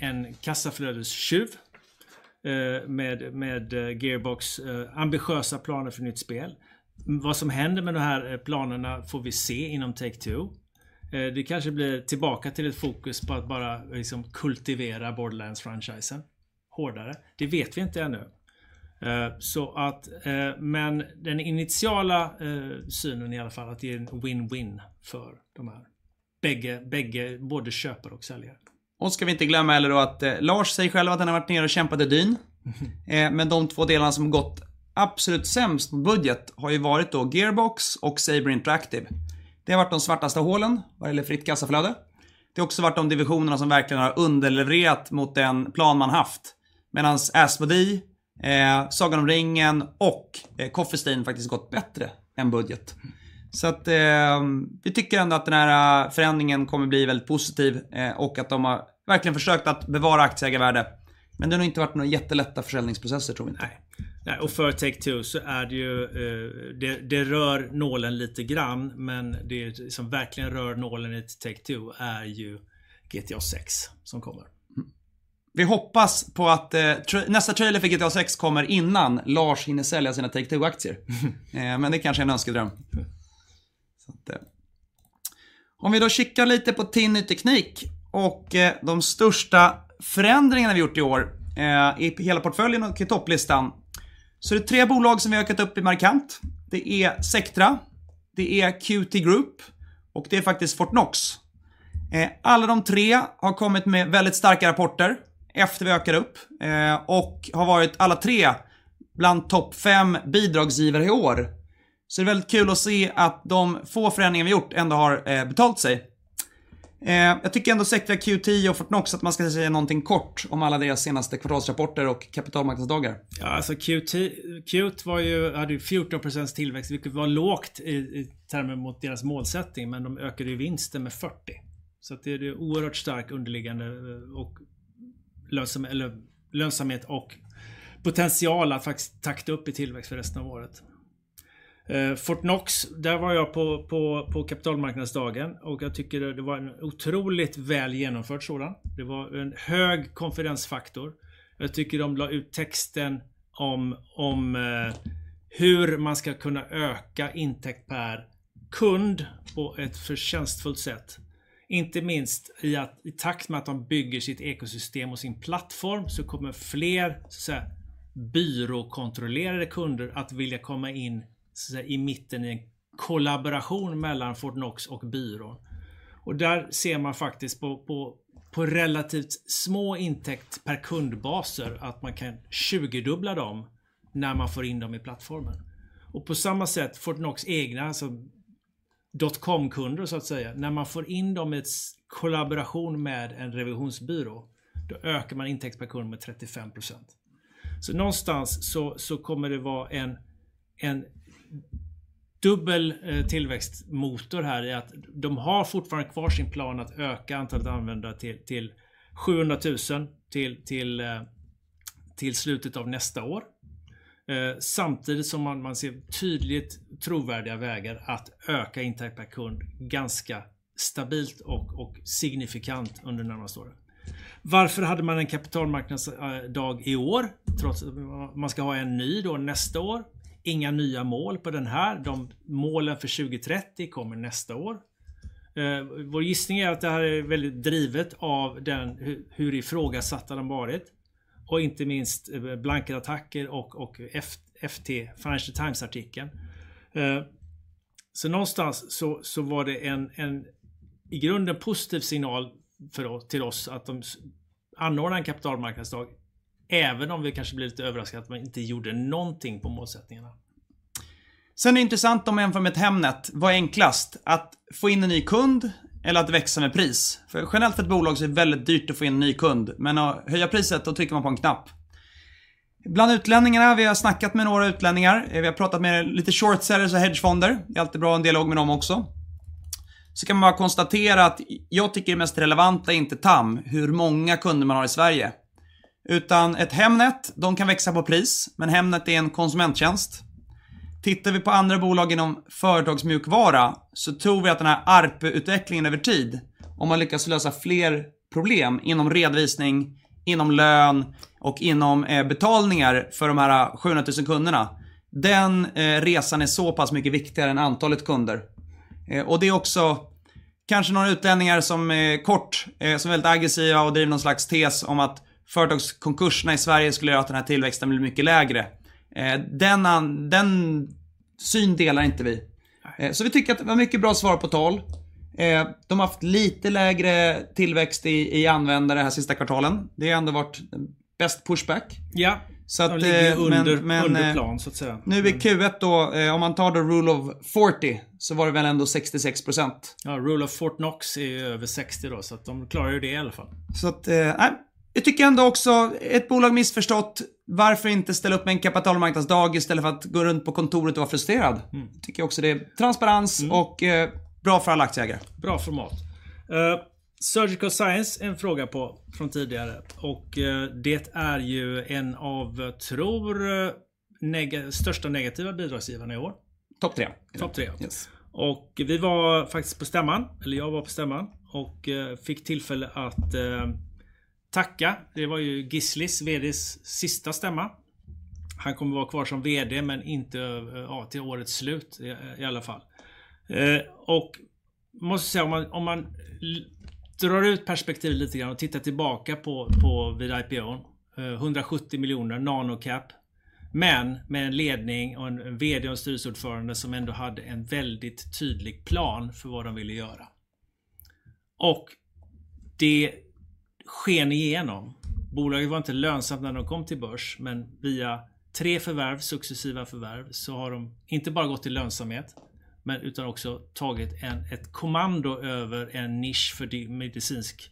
A: en kassaflödestjuv med Gearbox ambitiösa planer för nytt spel. Vad som händer med de här planerna får vi se inom Take-Two. Det kanske blir tillbaka till ett fokus på att bara liksom kultivera Borderlands-franchisen hårdare. Det vet vi inte ännu. Men den initiala synen i alla fall att det är en win-win för de här, både köpare och säljare.
B: Och ska vi inte glömma heller då att Lars säger själv att han har varit nere och kämpat i dyn. Men de två delarna som har gått absolut sämst på budget har ju varit då Gearbox och Saber Interactive. Det har varit de svartaste hålen vad gäller fritt kassaflöde. Det har också varit de divisionerna som verkligen har underlevererat mot den plan man haft. Medan Embracer, Sagan om ringen och Coffee Stain faktiskt gått bättre än budget. Så att vi tycker ändå att den här förändringen kommer bli väldigt positiv, och att de har verkligen försökt att bevara aktieägarvärde. Men det har nog inte varit några jättelätta försäljningsprocesser tror vi.
A: Nej, och för Take-Two så är det ju, det rör nålen lite grann, men det som verkligen rör nålen i Take-Two är ju GTA 6 som kommer.
B: Vi hoppas på att nästa trailer för GTA sex kommer innan Lars hinner sälja sina Take-Two-aktier. Men det kanske är en önskedröm. Om vi då kikar lite på Tiny Teknik och de största förändringarna vi gjort i år, i hela portföljen och topplistan, så är det tre bolag som vi ökat upp i markant. Det är Sectra, det är Qt Group och det är faktiskt Fortnox. Alla de tre har kommit med väldigt starka rapporter efter vi ökade upp, och har varit alla tre bland topp fem bidragsgivare i år. Det är väldigt kul att se att de få förändringar vi gjort ändå har betalt sig. Jag tycker ändå Sectra, Qt och Fortnox, att man ska säga någonting kort om alla deras senaste kvartalsrapporter och kapitalmarknadsdagar.
A: Ja, alltså, Qt hade ju 14% tillväxt, vilket var lågt i termer mot deras målsättning, men de ökade ju vinsten med 40%. Det är oerhört stark underliggande lönsamhet och potential att faktiskt takta upp i tillväxt för resten av året. Fortnox, där var jag på kapitalmarknadsdagen och jag tycker det var en otroligt väl genomförd sådan. Det var en hög konfidensfaktor. Jag tycker de la ut texten om hur man ska kunna öka intäkt per kund på ett förtjänstfullt sätt. Inte minst i att i takt med att de bygger sitt ekosystem och sin plattform, så kommer fler byråkontrollerade kunder att vilja komma in i mitten i en kollaboration mellan Fortnox och byrån. Och där ser man faktiskt på relativt små intäkter per kundbaser att man kan tjugodubbla dem när man får in dem i plattformen. På samma sätt, Fortnox egna dotcom-kunder, så att säga, när man får in dem i ett kollaboration med en revisionsbyrå, då ökar man intäkt per kund med 35%. Så någonstans så kommer det vara en dubbel tillväxtmotor här i att de har fortfarande kvar sin plan att öka antalet användare till 700,000 till slutet av nästa år. Samtidigt som man ser tydligt trovärdiga vägar att öka intäkt per kund ganska stabilt och signifikant under de närmaste åren. Varför hade man en kapitalmarknadsdag i år? Trots man ska ha en ny då nästa år. Inga nya mål på den här. De målen för 2030 kommer nästa år. Vår gissning är att det här är väldigt drivet av hur ifrågasatta de varit och inte minst blanketattacker och Financial Times-artikeln. Så någonstans så var det en i grunden positiv signal för oss att de anordnar en kapitalmarknadsdag, även om vi kanske blev lite överraskade att man inte gjorde någonting på målsättningarna.
B: Sen är det intressant om man jämför med Hemnet. Vad är enklast? Att få in en ny kund eller att växa med pris? För generellt ett bolag så är det väldigt dyrt att få in en ny kund, men att höja priset, då trycker man på en knapp. Bland utlänningarna, vi har snackat med några utlänningar. Vi har pratat med lite short sellers och hedgefonder. Det är alltid bra att ha en dialog med dem också. Så kan man bara konstatera att jag tycker det mest relevanta är inte TAM, hur många kunder man har i Sverige, utan ett Hemnet, de kan växa på pris, men Hemnet är en konsumenttjänst. Tittar vi på andra bolag inom företagsmjukvara, så tror vi att den här ARPE-utvecklingen över tid... Om man lyckas lösa fler problem inom redovisning, inom lön och inom betalningar för de här sjuhundratusen kunderna. Den resan är så pass mycket viktigare än antalet kunder. Och det är också kanske några utlänningar som kort, som är väldigt aggressiva och driver någon slags tes om att företagskonkurserna i Sverige skulle göra att den här tillväxten blir mycket lägre. Den synen delar inte vi. Så vi tycker att det var mycket bra svar på tal. De har haft lite lägre tillväxt i användare det här sista kvartalet. Det har ändå varit bäst pushback.
A: Ja.
B: Så att men, men-
A: Under plan så att säga.
B: Nu i Q1 då, om man tar då rule of forty, så var det väl ändå 66%.
A: Ja, rule of Fort Knox är över sextio då, så att de klarar ju det i alla fall.
B: Så att, nej, det tycker jag ändå också ett bolag missförstått. Varför inte ställa upp med en kapitalmarknadsdag istället för att gå runt på kontoret och vara frustrerad? Tycker jag också det är transparens och bra för alla aktieägare.
A: Bra format. Eh, Surgical Science, en fråga på från tidigare och det är ju en av, tror jag, största negativa bidragsgivarna i år.
B: Top tre.
A: Topp tre.
B: Yes.
A: Och vi var faktiskt på stämman, eller jag var på stämman och fick tillfälle att tacka. Det var ju Gislis VDs sista stämma. Han kommer att vara kvar som VD, men inte, ja, till årets slut i alla fall. Och måste säga, om man drar ut perspektivet lite grann och tittar tillbaka på vid IPO:n, 170 miljoner Nanocap, men med en ledning och en VD och styrelseordförande som ändå hade en väldigt tydlig plan för vad de ville göra. Och det sken igenom. Bolaget var inte lönsamt när de kom till börs, men via tre förvärv, successiva förvärv, så har de inte bara gått till lönsamhet, utan också tagit ett kommando över en nisch för medicinsk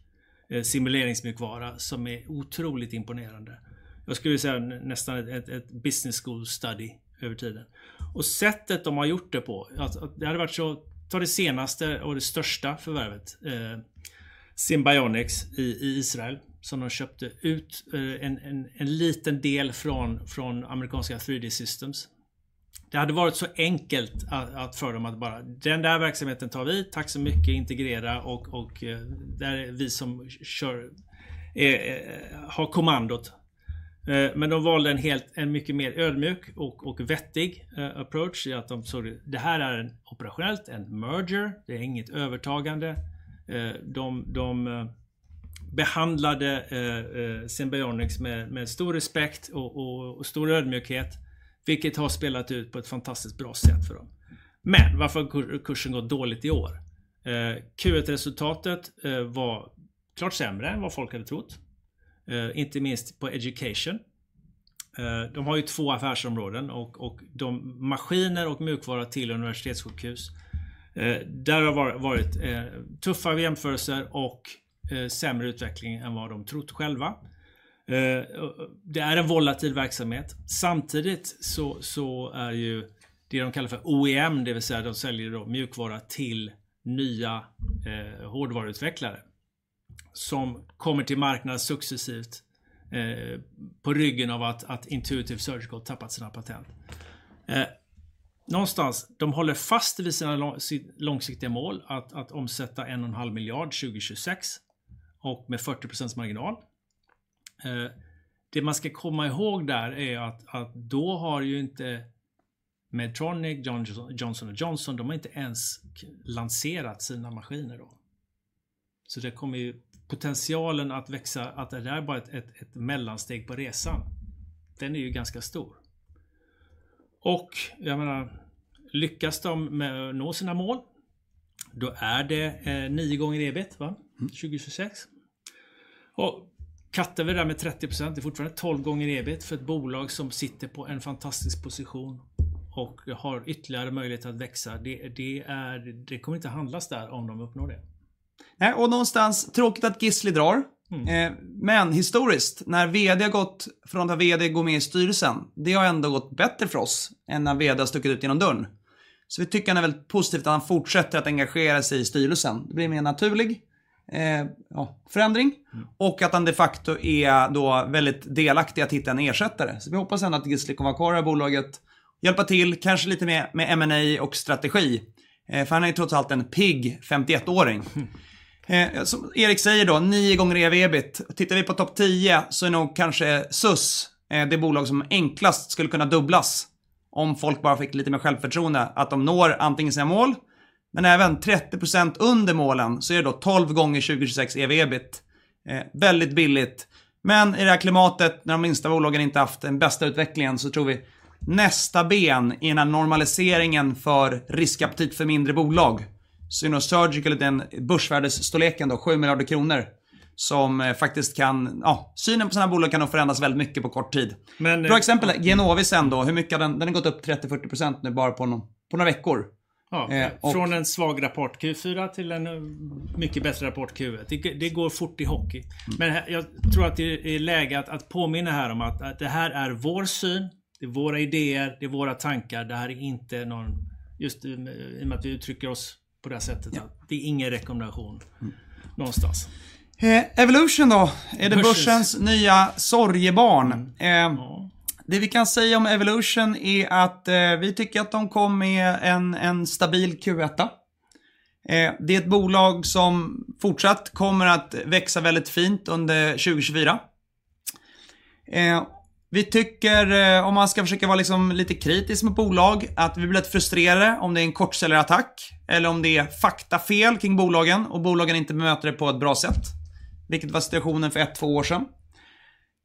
A: simuleringsmjukvara som är otroligt imponerande. Jag skulle säga nästan ett business school study över tiden. Och sättet de har gjort det på, alltså det hade varit så, ta det senaste och det största förvärvet, Simbionics i Israel, som de köpte ut en liten del från amerikanska 3D Systems. Det hade varit så enkelt att, för dem att bara, den där verksamheten tar vi. Tack så mycket, integrera och det är vi som kör, har kommandot. Men de valde en helt, en mycket mer ödmjuk och vettig approach i att de såg det, det här är operationellt, en merger, det är inget övertagande. De behandlade Simbionics med stor respekt och stor ödmjukhet, vilket har spelat ut på ett fantastiskt bra sätt för dem. Men varför har kursen gått dåligt i år? Q1-resultatet var klart sämre än vad folk hade trott, inte minst på education. De har ju två affärsområden och de maskiner och mjukvara till universitetssjukhus. Där har varit tuffare jämförelser och sämre utveckling än vad de trott själva. Det är en volatil verksamhet. Samtidigt så är ju det de kallar för OEM, det vill säga de säljer då mjukvara till nya hårdvaruutvecklare, som kommer till marknaden successivt på ryggen av att Intuitive Surgical tappat sina patent. Någonstans, de håller fast vid sina sitt långsiktiga mål att omsätta en och en halv miljard 2026 och med 40% marginal. Det man ska komma ihåg där är att då har ju inte Medtronic, Johnson och Johnson, de har inte ens lanserat sina maskiner då. Så det kommer ju potentialen att växa, att det där är bara ett mellansteg på resan. Den är ju ganska stor. Och jag menar, lyckas de med att nå sina mål, då är det nio gånger EBIT, va? 2026. Och kattar vi det där med 30%, det är fortfarande tolv gånger EBIT för ett bolag som sitter på en fantastisk position och har ytterligare möjlighet att växa. Det, det är, det kommer inte att handlas där om de uppnår det.
B: Nej, och någonstans tråkigt att Gisli drar. Men historiskt, när VD har gått från när VD går med i styrelsen, det har ändå gått bättre för oss än när VD har stuckit ut genom dörren. Så vi tycker han är väldigt positivt att han fortsätter att engagera sig i styrelsen. Det blir mer naturlig förändring och att han de facto är då väldigt delaktig i att hitta en ersättare. Så vi hoppas ändå att Gisli kommer vara kvar i bolaget, hjälpa till, kanske lite mer med M&A och strategi. För han är trots allt en pigg femtioettåring. Som Erik säger då, nio gånger EV/EBIT. Tittar vi på topp tio så är nog kanske Suss det bolag som enklast skulle kunna dubblas om folk bara fick lite mer självförtroende, att de når antingen sina mål, men även 30% under målen, så är det då tolv gånger 2026 EV EBIT. Väldigt billigt, men i det här klimatet, när de minsta bolagen inte haft den bästa utvecklingen, så tror vi nästa ben i den här normaliseringen för riskaptit för mindre bolag. Synos Surgical, den börsvärdesstorleken då, SEK 7 miljarder, som faktiskt kan, ja, synen på sådana här bolag kan nog förändras väldigt mycket på kort tid. Bra exempel, Genovis sen då, hur mycket har den? Den har gått upp 30%, 40% nu, bara på någon, på några veckor.
A: Ja, från en svag rapport Q4 till en mycket bättre rapport Q1. Det går fort i hockey. Men jag tror att det är läge att påminna här om att det här är vår syn, det är våra idéer, det är våra tankar. Det här är inte någon, just i och med att vi uttrycker oss på det här sättet. Det är ingen rekommendation någonstans.
B: Evolution då? Är det börsens nya sorgebarn? Det vi kan säga om Evolution är att vi tycker att de kom med en stabil Q1. Det är ett bolag som fortsatt kommer att växa väldigt fint under 2024. Vi tycker, om man ska försöka vara lite kritisk mot bolag, att vi blir lite frustrerade om det är en kortsäljarattack eller om det är faktafel kring bolagen och bolagen inte bemöter det på ett bra sätt, vilket var situationen för ett, två år sedan.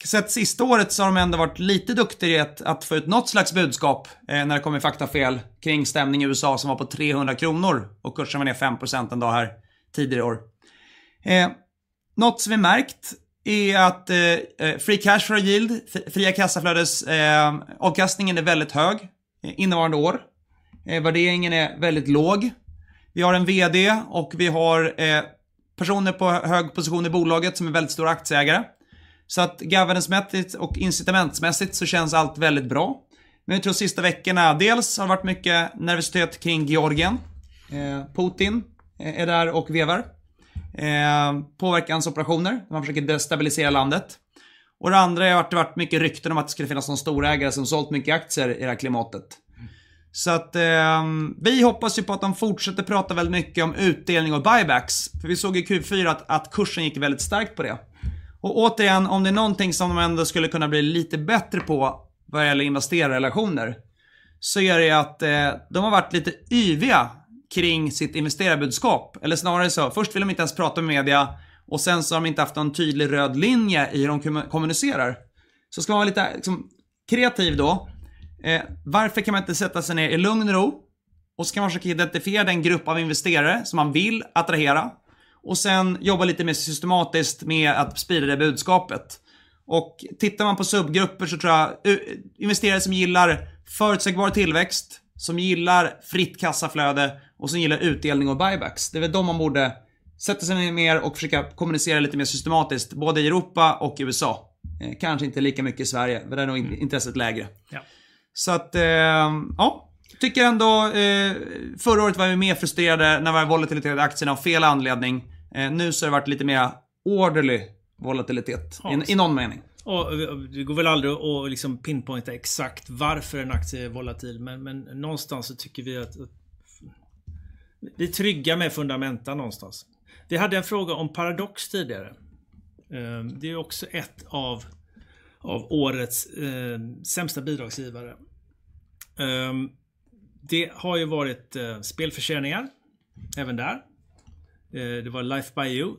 B: Sen sista året så har de ändå varit lite duktiga i att få ut något slags budskap när det kommer faktafel kring stämning i USA som var på 300 kronor och kursen var ner 5% en dag här tidigare i år. Något som vi märkt är att free cash flow yield, fria kassaflödes avkastningen är väldigt hög innevarande år. Värderingen är väldigt låg. Vi har en VD och vi har personer på hög position i bolaget som är väldigt stora aktieägare. Så att governancemässigt och incitamentsmässigt så känns allt väldigt bra. Men vi tror sista veckorna, dels har det varit mycket nervositet kring Georgien. Putin är där och vevar. Påverkansoperationer, man försöker destabilisera landet. Och det andra är att det varit mycket rykten om att det skulle finnas någon storägare som sålt mycket aktier i det här klimatet. Så att vi hoppas ju på att de fortsätter prata väldigt mycket om utdelning och buybacks, för vi såg i Q4 att kursen gick väldigt starkt på det. Och återigen, om det är någonting som de ändå skulle kunna bli lite bättre på vad gäller investerarrelationer, så är det att de har varit lite yviga kring sitt investerarbudskap. Eller snarare så, först vill de inte ens prata med media och sen så har de inte haft någon tydlig röd linje i hur de kommunicerar. Så ska man vara lite kreativ då. Varför kan man inte sätta sig ner i lugn och ro och så kan man försöka identifiera den grupp av investerare som man vill attrahera och sedan jobba lite mer systematiskt med att sprida det budskapet? Tittar man på subgrupper så tror jag investerare som gillar förutsägbar tillväxt, som gillar fritt kassaflöde och som gillar utdelning och buybacks. Det är väl de man borde sätta sig ner mer och försöka kommunicera lite mer systematiskt, både i Europa och USA. Kanske inte lika mycket i Sverige, för där är nog intresset lägre.
A: Ja.
B: Så att, ja, tycker jag ändå, förra året var jag mer frustrerad när det var volatilitet i aktierna av fel anledning. Nu så har det varit lite mer orderly volatilitet, i någon mening.
A: Och det går väl aldrig att liksom pinpointa exakt varför en aktie är volatil, men någonstans så tycker vi att vi är trygga med fundamenta någonstans. Vi hade en fråga om Paradox tidigare. Det är också ett av årets sämsta bidragsgivare. Det har ju varit spelförseningar även där. Det var Life by You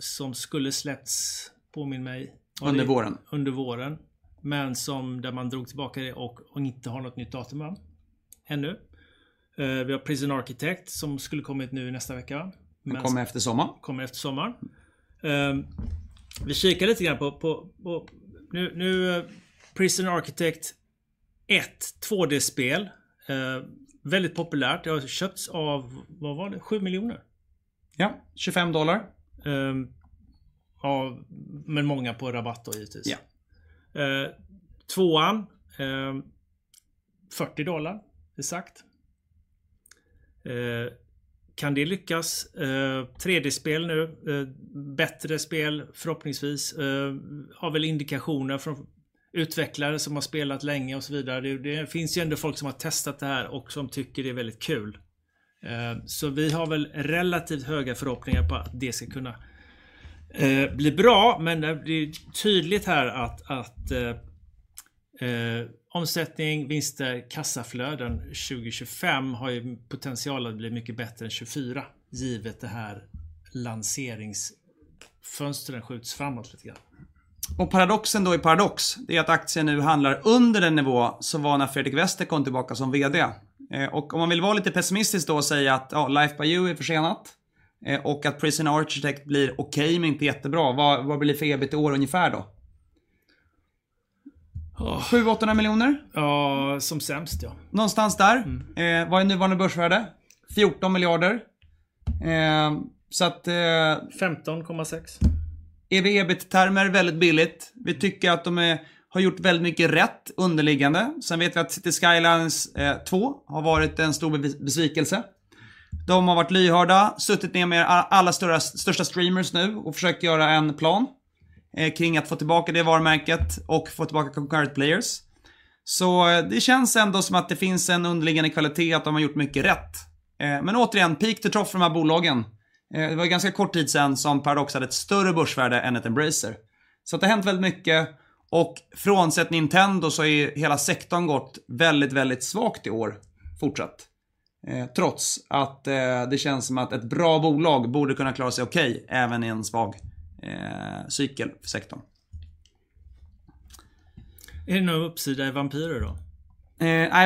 A: som skulle släppts, påminn mig?
B: Under våren.
A: Under våren, men som, där man drog tillbaka det och inte har något nytt datum än. Vi har Prison Architect som skulle kommit nu i nästa vecka.
B: Kommer efter sommaren.
A: Kommer efter sommaren. Vi kikar lite grann på Prison Architect, ett 2D-spel, väldigt populärt. Det har köpts av, vad var det? 7 miljoner.
B: Ja, tjugofem dollar.
A: Eh, ja, men många på rabatt då givetvis.
B: Ja.
A: Tvåan, fyrtio dollar exakt. Kan det lyckas? 3D-spel nu, bättre spel, förhoppningsvis. Har väl indikationer från utvecklare som har spelat länge och så vidare. Det finns ju ändå folk som har testat det här och som tycker det är väldigt kul. Så vi har väl relativt höga förhoppningar på att det ska kunna bli bra, men det blir tydligt här att omsättning, vinster, kassaflöden 2025 har ju potential att bli mycket bättre än 2024, givet det här lanseringsfönstret skjuts framåt lite grann.
B: Och paradoxen då i Paradox, det är att aktien nu handlar under den nivå som var när Fredrik Wester kom tillbaka som VD. Och om man vill vara lite pessimistisk då och säga att Life by You är försenat och att Prison Architect blir okej, men inte jättebra. Vad blir det för EBIT i år ungefär då? Sju, åttahundra miljoner?
A: Ja, som sämst ja.
B: Någonstans där. Vad är nuvarande börsvärde? Fjorton miljarder. Så att-
A: Femton komma sex.
B: Är vi EBIT-termer väldigt billigt. Vi tycker att de har gjort väldigt mycket rätt underliggande. Sen vet vi att Cities Skylines 2 har varit en stor besvikelse. De har varit lyhörda, suttit ner med alla störas, största streamers nu och försökt göra en plan kring att få tillbaka det varumärket och få tillbaka concurrent players. Så det känns ändå som att det finns en underliggande kvalitet att de har gjort mycket rätt. Men återigen, peak to trough för de här bolagen. Det var ganska kort tid sedan som Paradox hade ett större börsvärde än ett Embracer. Så det har hänt väldigt mycket och frånsett Nintendo så har ju hela sektorn gått väldigt, väldigt svagt i år, fortsatt. Trots att det känns som att ett bra bolag borde kunna klara sig okej, även i en svag cykel för sektorn.
A: Är det någon uppsida i vampyrer då?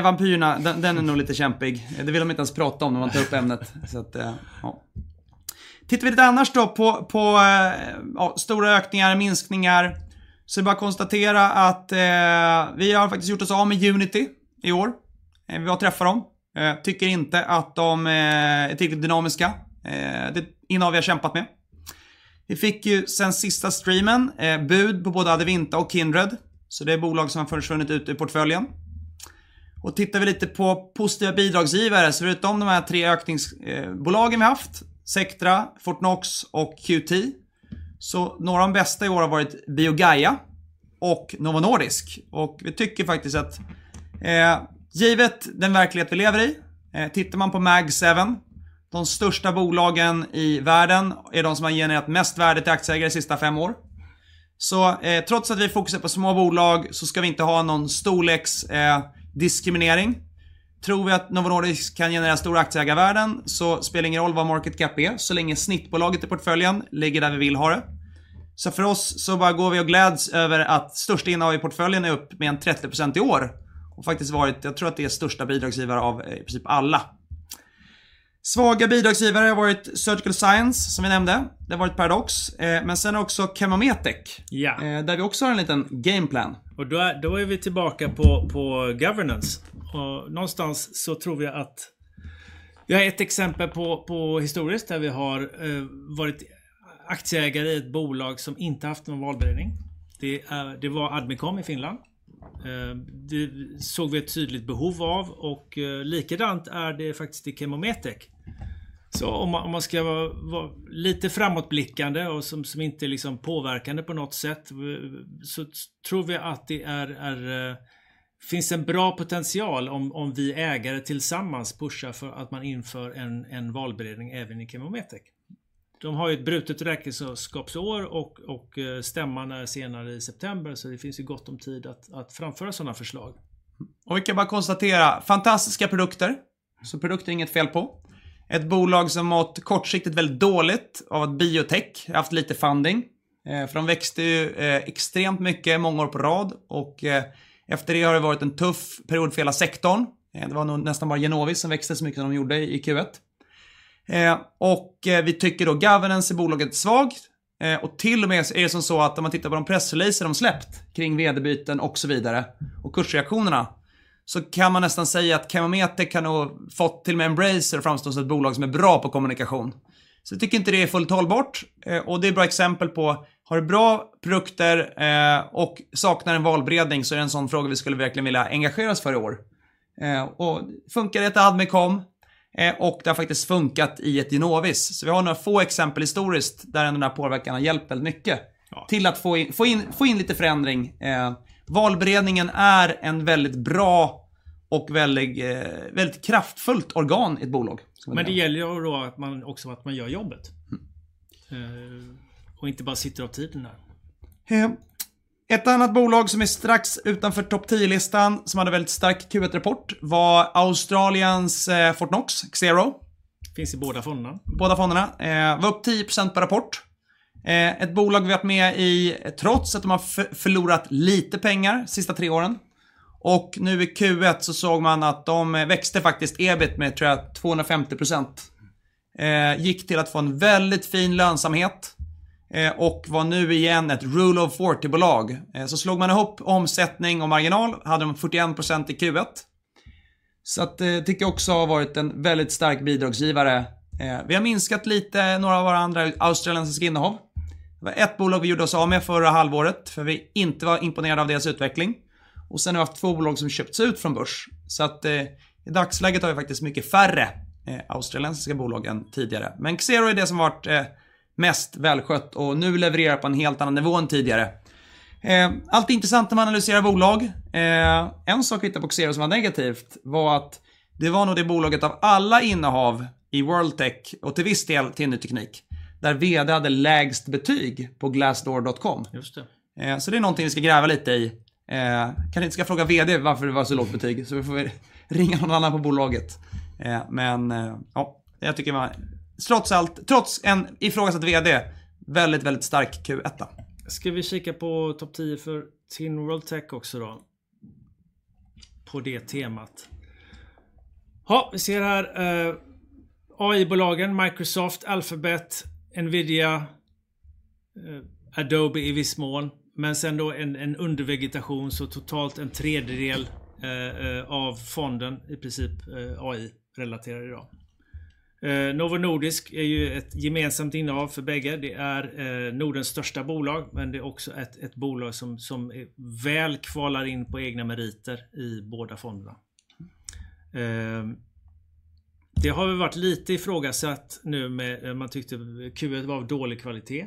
B: Vampyrerna, den är nog lite kämpig. Det vill de inte ens prata om när man tar upp ämnet. Tittar vi lite annars då på stora ökningar och minskningar, så är det bara att konstatera att vi har faktiskt gjort oss av med Unity i år. Vi har träffat dem. Tycker inte att de är tillräckligt dynamiska. Det inom vi har kämpat med. Vi fick ju sedan sista streamen bud på både Advinta och Kindred, så det är bolag som har försvunnit ut i portföljen. Tittar vi lite på positiva bidragsgivare, så förutom de här tre ökningsbolagen vi haft, Sectra, Fortnox och QT, så några av de bästa i år har varit Biogaia och Novo Nordisk. Vi tycker faktiskt att, givet den verklighet vi lever i, tittar man på Mag Seven, de största bolagen i världen är de som har genererat mest värde till aktieägare de sista fem år. Trots att vi fokuserar på små bolag, så ska vi inte ha någon storleksdiskriminering. Tror vi att Novo Nordisk kan generera stora aktieägarvärden, så spelar ingen roll vad market cap är, så länge snittbolaget i portföljen ligger där vi vill ha det. För oss så bara går vi och gläds över att största innehav i portföljen är upp med 30% i år och faktiskt varit, jag tror att det är största bidragsgivare av i princip alla. Svaga bidragsgivare har varit Surgical Science, som vi nämnde. Det har varit Paradox, men sen också Chemometec.
A: Ja.
B: Där vi också har en liten game plan.
A: Och då är vi tillbaka på governance. Och någonstans så tror jag att jag har ett exempel på historiskt, där vi har varit aktieägare i ett bolag som inte haft någon valberedning. Det var Admicom i Finland. Det såg vi ett tydligt behov av och likadant är det faktiskt i Chemometec. Så om man ska vara lite framåtblickande och som inte är påverkande på något sätt, så tror vi att det finns en bra potential om vi ägare tillsammans pushar för att man inför en valberedning även i Chemometec. De har ju ett brutet räkenskapsår och stämman är senare i september, så det finns ju gott om tid att framföra sådana förslag.
B: Och vi kan bara konstatera, fantastiska produkter. Så produkter är inget fel på. Ett bolag som mått kortsiktigt väldigt dåligt av biotech, haft lite funding. För de växte ju extremt mycket många år på rad och efter det har det varit en tuff period för hela sektorn. Det var nog nästan bara Genovis som växte så mycket som de gjorde i Q1. Och vi tycker då governance i bolaget är svag. Och till och med så är det som så att om man tittar på de pressreleaser de släppt kring VD-byten och så vidare och kursreaktionerna, så kan man nästan säga att Chemometec kan nog fått till och med Embracer att framstå som ett bolag som är bra på kommunikation. Så jag tycker inte det är fullt hållbart, och det är ett bra exempel på: har du bra produkter och saknar en valberedning, så är det en sådan fråga vi skulle verkligen vilja engagera oss för i år. Och funkade det ett Admicom, och det har faktiskt funkat i ett Genovis. Så vi har några få exempel historiskt, där den där påverkan har hjälpt väldigt mycket.
A: Ja...
B: till att få in, få in, få in lite förändring. Valberedningen är en väldigt bra och väldigt kraftfullt organ i ett bolag.
A: Men det gäller ju då att man också att man gör jobbet. Och inte bara sitter av tiden där.
B: Ett annat bolag som är strax utanför topp tio-listan, som hade väldigt stark Q1-rapport, var Australiens Fortnox, Xero.
A: Finns i båda fonderna.
B: Båda fonderna var upp 10% på rapport. Ett bolag vi har varit med i trots att de har förlorat lite pengar sista tre åren. Nu i Q1 så såg man att de växte faktiskt EBIT med tror jag 250%. Gick till att få en väldigt fin lönsamhet, och var nu igen ett rule of forty-bolag. Så slog man ihop omsättning och marginal, hade de 41% i Q1. Så det tycker jag också har varit en väldigt stark bidragsgivare. Vi har minskat lite några av våra andra australiensiska innehav. Det var ett bolag vi gjorde oss av med förra halvåret, för vi inte var imponerade av deras utveckling. Sen har vi haft två bolag som köpts ut från börs. Så i dagsläget har vi faktiskt mycket färre australiensiska bolag än tidigare. Men Xero är det som varit mest välskött och nu levererar på en helt annan nivå än tidigare. Alltid intressant när man analyserar bolag. En sak vi hittade på Xero som var negativt var att det var nog det bolaget av alla innehav i World Tech och till viss del Tinny Teknik, där VD hade lägst betyg på glassdoor.com.
A: Just det.
B: Eh, så det är någonting vi ska gräva lite i. Eh, kan inte ska fråga VD varför det var så lågt betyg, så vi får ringa någon annan på bolaget. Eh, men ja, det tycker jag var trots allt, trots en ifrågasatt VD, väldigt, väldigt stark Q1.
A: Ska vi kika på topp tio för Tin World Tech också då? På det temat. Vi ser här AI-bolagen, Microsoft, Alphabet, Nvidia, Adobe i viss mån, men sen då en undervegetation, så totalt en tredjedel av fonden, i princip, AI-relaterat i dag. Novo Nordisk är ju ett gemensamt innehav för bägge. Det är Nordens största bolag, men det är också ett bolag som kvallar in på egna meriter i båda fonderna. Det har ju varit lite ifrågasatt nu med man tyckte Q1 var av dålig kvalitet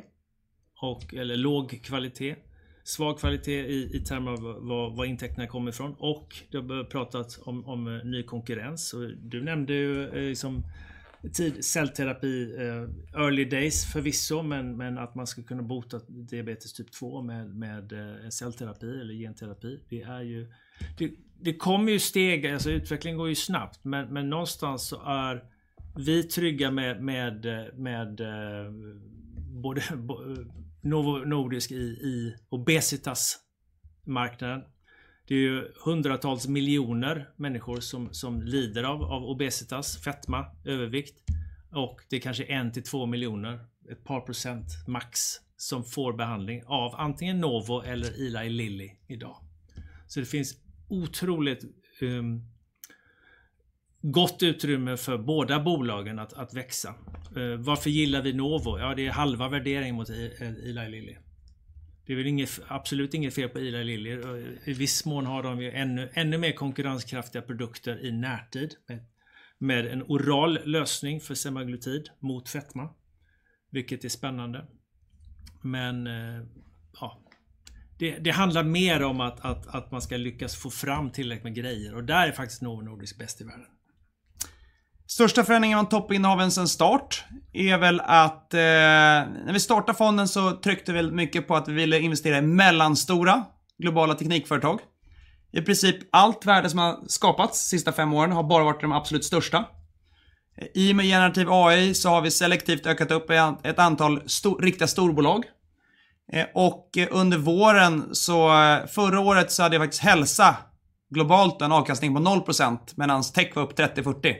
A: och eller låg kvalitet, svag kvalitet i termer av var intäkterna kom ifrån och det har pratat om ny konkurrens. Och du nämnde ju, som tid cellterapi, early days förvisso, men att man skulle kunna bota diabetes typ två med cellterapi eller genterapi. Det är ju... Det kommer ju stega, alltså utvecklingen går ju snabbt, men någonstans så är vi trygga med både Novo Nordisk i obesitasmarknaden. Det är ju hundratals miljoner människor som lider av obesitas, fetma, övervikt, och det är kanske en till två miljoner, ett par procent max, som får behandling av antingen Novo eller Eli Lilly idag. Så det finns otroligt gott utrymme för båda bolagen att växa. Varför gillar vi Novo? Ja, det är halva värderingen mot Eli Lilly. Det är väl inget, absolut inget fel på Eli Lilly. I viss mån har de ju ännu mer konkurrenskraftiga produkter i närtid med en oral lösning för semaglutid mot fetma, vilket är spännande. Men ja, det handlar mer om att man ska lyckas få fram tillräckligt med grejer och där är faktiskt Novo Nordisk bäst i världen.
B: Största förändringen av toppinnehav sedan start är väl att när vi startade fonden så tryckte vi väldigt mycket på att vi ville investera i mellanstora globala teknikföretag. I princip, allt värde som har skapats sista fem åren har bara varit de absolut största. I och med generativ AI så har vi selektivt ökat upp ett antal stora, riktiga storbolag. Under våren förra året så hade faktiskt hälsa globalt en avkastning på 0%, medan tech var upp 30%,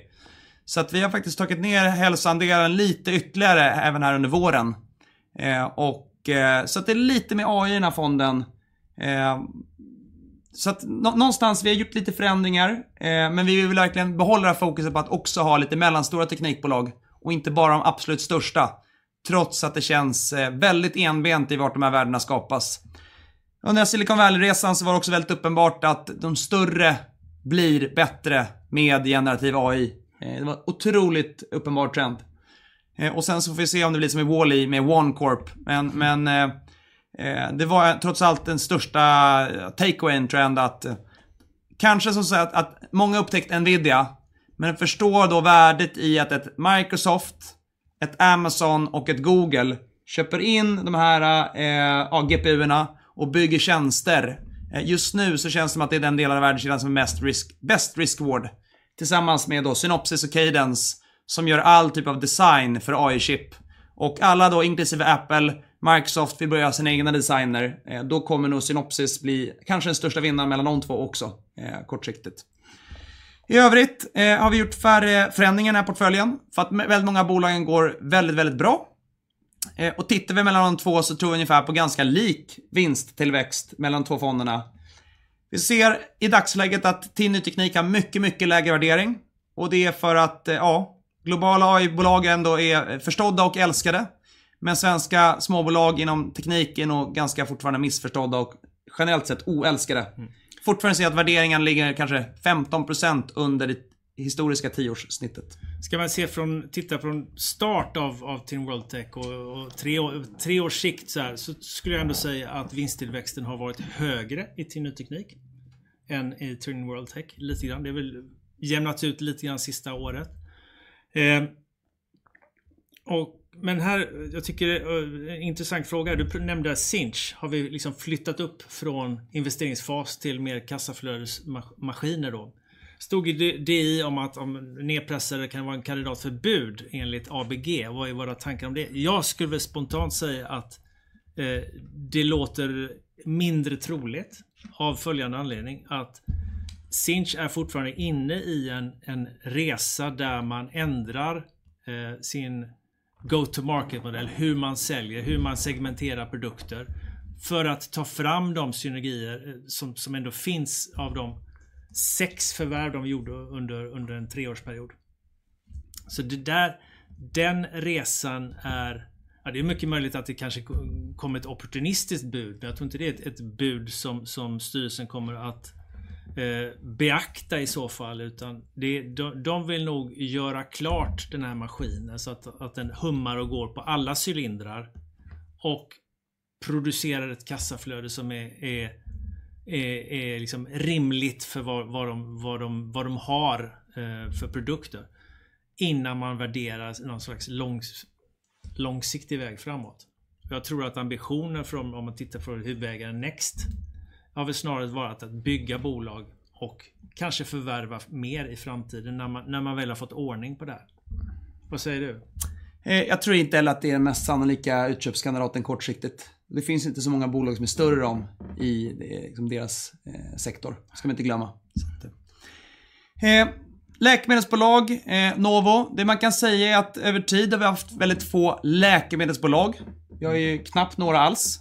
B: 40%. Vi har faktiskt tagit ner hälsoandelen lite ytterligare, även här under våren. Det är lite mer AI i den här fonden. Så att någonstans, vi har gjort lite förändringar, men vi vill verkligen behålla det här fokuset på att också ha lite mellanstora teknikbolag och inte bara de absolut största, trots att det känns väldigt entydigt i vart de här värdena skapas. Under Silicon Valley-resan så var det också väldigt uppenbart att de större blir bättre med generativ AI. Det var en otroligt uppenbar trend. Och sen så får vi se om det blir som i Wall-E med One Corp. Men det var trots allt den största takeaway-trenden att kanske som sagt, att många upptäckte Nvidia, men förstår då värdet i att ett Microsoft, ett Amazon och ett Google köper in de här GPU:erna och bygger tjänster. Just nu så känns det som att det är den delen av värdekedjan som är mest risk, bäst risk award, tillsammans med då Synopsys och Cadence, som gör all typ av design för AI-chip. Och alla då, inklusive Apple, Microsoft, vill börja ha sina egna designer. Då kommer nog Synopsys bli kanske den största vinnaren mellan de två också kortsiktigt. I övrigt har vi gjort färre förändringar i den här portföljen för att väldigt många av bolagen går väldigt, väldigt bra. Och tittar vi mellan de två så tror jag ungefär på ganska lik vinsttillväxt mellan de två fonderna. Vi ser i dagsläget att Tin Ny Teknik har mycket, mycket lägre värdering och det är för att, ja, globala AI-bolagen då är förstådda och älskade, men svenska småbolag inom tekniken är ganska fortfarande missförstådda och generellt sett oälskade. Fortfarande ser jag att värderingen ligger kanske 15% under det historiska tioårssnittet.
A: Ska man se från, titta från start av Tin World Tech och tre års sikt såhär, så skulle jag ändå säga att vinsttillväxten har varit högre i Tin Ny Teknik än i Tin World Tech, lite grann. Det har väl jämnats ut lite grann sista året. Och men här, jag tycker, intressant fråga. Du nämnde Sinch, har vi liksom flyttat upp från investeringsfas till mer kassaflödesmaskiner då? Stod i DI om att nerpressade kan vara en kandidat för bud enligt ABG. Vad är våra tankar om det? Jag skulle väl spontant säga att det låter mindre troligt, av följande anledning: att Sinch är fortfarande inne i en resa där man ändrar sin go-to-market-modell, hur man säljer, hur man segmenterar produkter, för att ta fram de synergier som ändå finns av de sex förvärv de gjorde under en treårsperiod. Så den resan är... Ja, det är mycket möjligt att det kanske kommer ett opportunistiskt bud, men jag tror inte det är ett bud som styrelsen kommer att beakta i så fall, utan de vill nog göra klart den här maskinen så att den hummar och går på alla cylindrar och producerar ett kassaflöde som är rimligt för vad de har för produkter, innan man värderar någon slags långsiktig väg framåt. Jag tror att ambitionen för dem, om man tittar på huvudägaren Next, har väl snarare varit att bygga bolag och kanske förvärva mer i framtiden när man väl har fått ordning på det här. Vad säger du?
B: Jag tror inte heller att det är den mest sannolika utköpskandidaten kortsiktigt. Det finns inte så många bolag som är större än dem i deras sektor. Det ska vi inte glömma. Läkemedelsbolag, Novo. Det man kan säga är att över tid har vi haft väldigt få läkemedelsbolag. Vi har ju knappt några alls.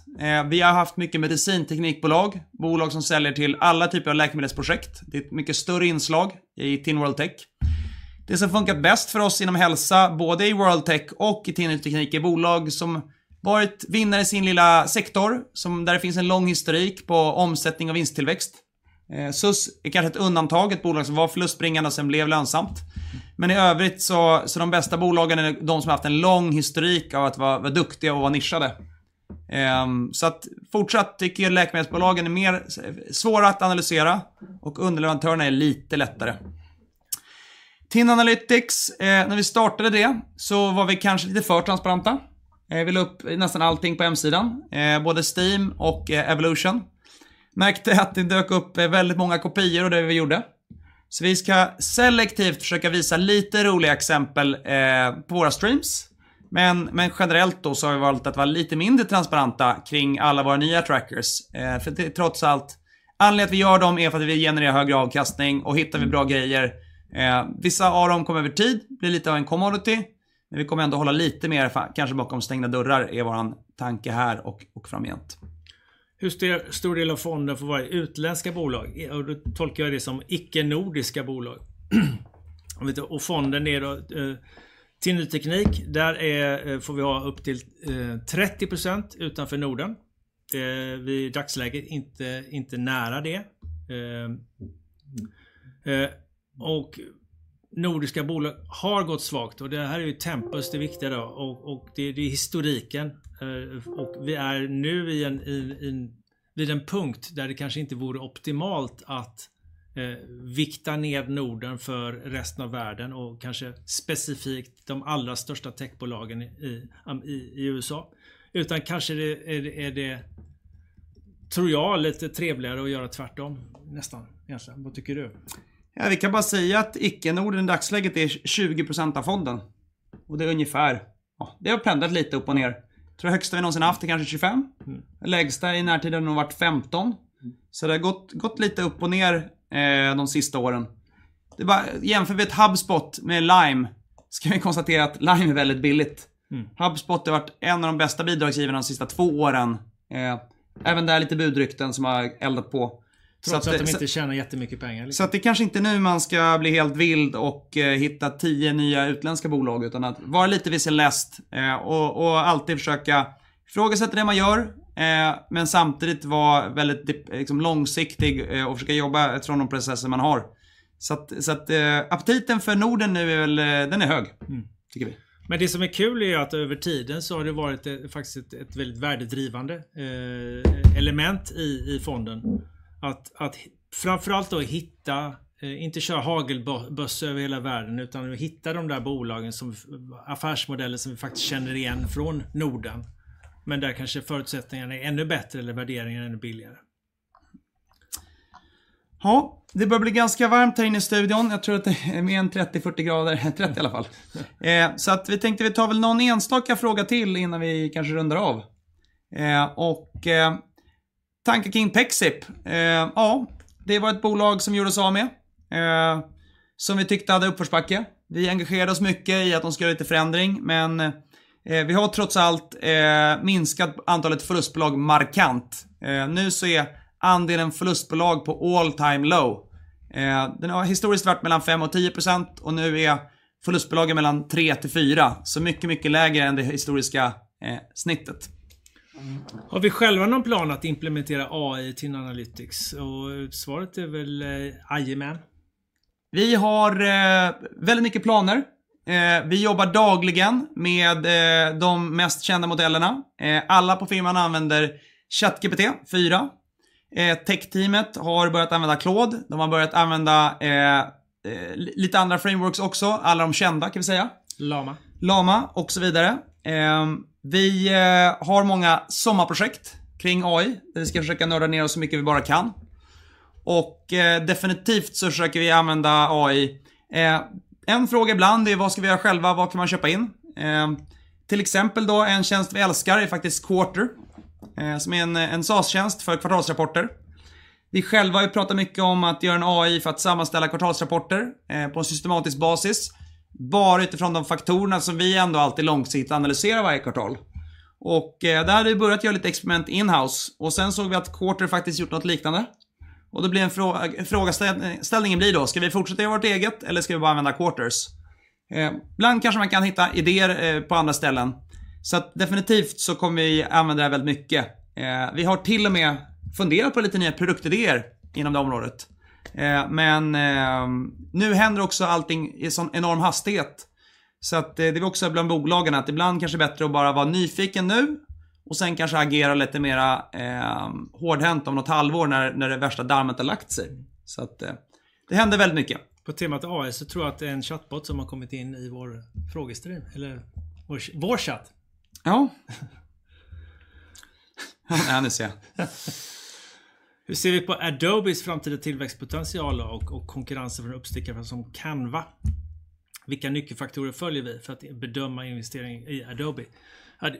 B: Vi har haft mycket medicinteknikbolag, bolag som säljer till alla typer av läkemedelsprojekt. Det är ett mycket större inslag i Tin World Tech. Det som funkar bäst för oss inom hälsa, både i World Tech och i Tin Ny Teknik, är bolag som varit vinnare i sin lilla sektor, där det finns en lång historik på omsättning och vinsttillväxt. Sus är kanske ett undantag, ett bolag som var förlustbringande och sen blev lönsamt. Men i övrigt så, så de bästa bolagen är de som haft en lång historik av att vara duktiga och vara nischade. Så att fortsatt tycker jag läkemedelsbolagen är mer svåra att analysera och underleverantörerna är lite lättare. Tin Analytics, när vi startade det så var vi kanske lite för transparenta. Vi la upp nästan allting på hemsidan, både Steam och Evolution. Märkte att det dök upp väldigt många kopior av det vi gjorde. Så vi ska selektivt försöka visa lite roliga exempel på våra streams. Men generellt då så har vi valt att vara lite mindre transparenta kring alla våra nya trackers. För det, trots allt, anledningen till att vi gör dem är för att vi genererar högre avkastning och hittar vi bra grejer, vissa av dem kommer över tid, blir lite av en commodity, men vi kommer ändå hålla lite mer bakom stängda dörrar, är vår tanke här och framgent.
A: Hur stor del av fonden får vara utländska bolag? Och då tolkar jag det som icke-nordiska bolag. Och fonden är då Tinny Teknik. Där får vi ha upp till 30% utanför Norden. Vi är i dagsläget inte nära det. Nordiska bolag har gått svagt och det här är ju tempus, det viktiga då. Och det är historiken. Vi är nu vid en punkt där det kanske inte vore optimalt att vikta ner Norden för resten av världen och kanske specifikt de allra största techbolagen i USA. Utan kanske det är, tror jag, lite trevligare att göra tvärtom, nästan, Jens. Vad tycker du?
B: Ja, vi kan bara säga att icke-Norden i dagsläget är 20% av fonden. Och det är ungefär, ja, det har pendlat lite upp och ner. Tror det högsta vi någonsin haft är kanske 25%. Det lägsta i närtid har nog varit 15%. Så det har gått lite upp och ner de sista åren. Det bara, jämför vi ett HubSpot med Lime, så kan vi konstatera att Lime är väldigt billigt.
A: Mm.
B: HubSpot har varit en av de bästa bidragsgivarna de sista två åren. Även där är lite budrykten som har eldat på.
A: Trots att de inte tjänar jättemycket pengar.
B: Så det kanske inte är nu man ska bli helt vild och hitta tio nya utländska bolag, utan att vara lite vissen läst och alltid försöka ifrågasätta det man gör. Men samtidigt vara väldigt långsiktig och försöka jobba från de processer man har. Så att aptiten för Norden nu väl, den är hög.
A: Mm.
B: tycker vi.
A: Men det som är kul är att över tiden så har det varit ett, faktiskt ett, ett väldigt värdedrivande element i fonden. Att framför allt då hitta, inte köra hagelbössa över hela världen, utan hitta de där bolagen som, affärsmodeller som vi faktiskt känner igen från Norden. Men där kanske förutsättningarna är ännu bättre eller värderingen är ännu billigare.
B: Ja, det börjar bli ganska varmt här inne i studion. Jag tror att det är mer än 30, 40 grader. 30 i alla fall. Så att vi tänkte vi tar väl någon enstaka fråga till innan vi kanske rundar av. Och tanke kring Pexip. Ja, det var ett bolag som vi gjorde oss av med, som vi tyckte hade uppförsbacke. Vi engagerade oss mycket i att de skulle göra lite förändring, men vi har trots allt minskat antalet förlustbolag markant. Nu så är andelen förlustbolag på all time low. Den har historiskt varit mellan 5 och 10% och nu är förlustbolagen mellan 3 till 4. Så mycket, mycket lägre än det historiska snittet.
A: Har vi själva någon plan att implementera AI i Tin Analytics? Och svaret är väl, ja men.
B: Vi har väldigt mycket planer. Vi jobbar dagligen med de mest kända modellerna. Alla på firman använder ChatGPT-4. Techteamet har börjat använda Claude. De har börjat använda lite andra frameworks också. Alla de kända kan vi säga.
A: Lama.
B: Lama och så vidare. Vi har många sommarprojekt kring AI, där vi ska försöka nörda ner oss så mycket vi bara kan. Och definitivt så försöker vi använda AI. En fråga ibland är: Vad ska vi göra själva? Vad kan man köpa in? Till exempel, då, en tjänst vi älskar är faktiskt Quarter, som är en SAS-tjänst för kvartalsrapporter. Vi själva har pratat mycket om att göra en AI för att sammanställa kvartalsrapporter på en systematisk basis, bara utifrån de faktorerna som vi ändå alltid långsiktigt analyserar varje kvartal. Och där hade vi börjat göra lite experiment in house och sedan såg vi att Quarter faktiskt gjort något liknande. Och då blir en fråga, frågeställning blir då: Ska vi fortsätta göra vårt eget eller ska vi bara använda Quarters? Ibland kanske man kan hitta idéer på andra ställen. Så att definitivt så kommer vi använda det här väldigt mycket. Vi har till och med funderat på lite nya produktidéer inom det området. Men nu händer också allting i sådan enorm hastighet. Så att det är också bland bolagen, att ibland kanske bättre att bara vara nyfiken nu och sedan kanske agera lite mera hårdhänt om något halvår när det värsta dammet har lagt sig. Så att det händer väldigt mycket.
A: På temat AI så tror jag att det är en chatbot som har kommit in i vår frågeström eller vår chat.
B: Ja. Ja, nu ser jag.
A: Hur ser vi på Adobes framtida tillväxtpotential och konkurrens från uppstickare som Canva? Vilka nyckelfaktorer följer vi för att bedöma investering i Adobe? Ja,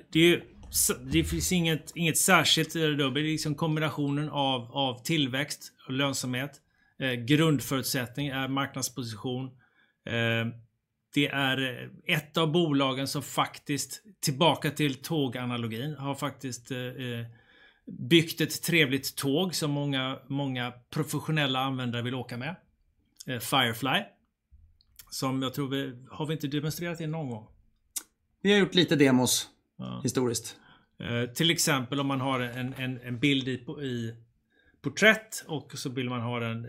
A: det finns inget särskilt i Adobe. Det är liksom kombinationen av tillväxt och lönsamhet. Grundförutsättning är marknadsposition. Det är ett av bolagen som faktiskt, tillbaka till tåganalogin, har faktiskt byggt ett trevligt tåg som många, många professionella användare vill åka med. Firefly, som jag tror vi... Har vi inte demonstrerat det någon gång?
B: Vi har gjort lite demos.
A: Ja.
B: -historiskt.
A: Till exempel, om man har en bild i porträtt och så vill man ha den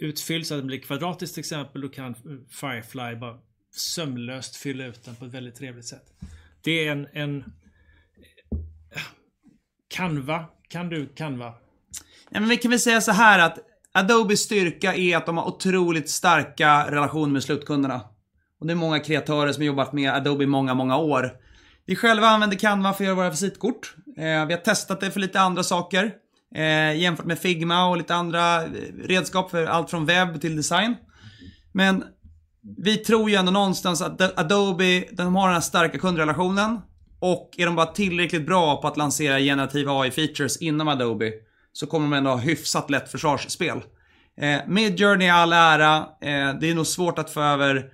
A: utfylld så att den blir kvadratisk, till exempel, då kan Firefly bara sömlöst fylla ut den på ett väldigt trevligt sätt. Det är en... Canva. Kan du Canva?
B: Ja, men vi kan väl säga såhär att Adobes styrka är att de har otroligt starka relationer med slutkunderna. Det är många kreatörer som jobbat med Adobe i många, många år. Vi själva använder Canva för att göra våra visitkort. Vi har testat det för lite andra saker jämfört med Figma och lite andra redskap för allt från webb till design. Men vi tror ändå någonstans att Adobe, den har den här starka kundrelationen och är de bara tillräckligt bra på att lansera generativa AI-features inom Adobe, så kommer de ändå ha hyfsat lätt försvarsspel. Midjourney i all ära, det är nog svårt att få över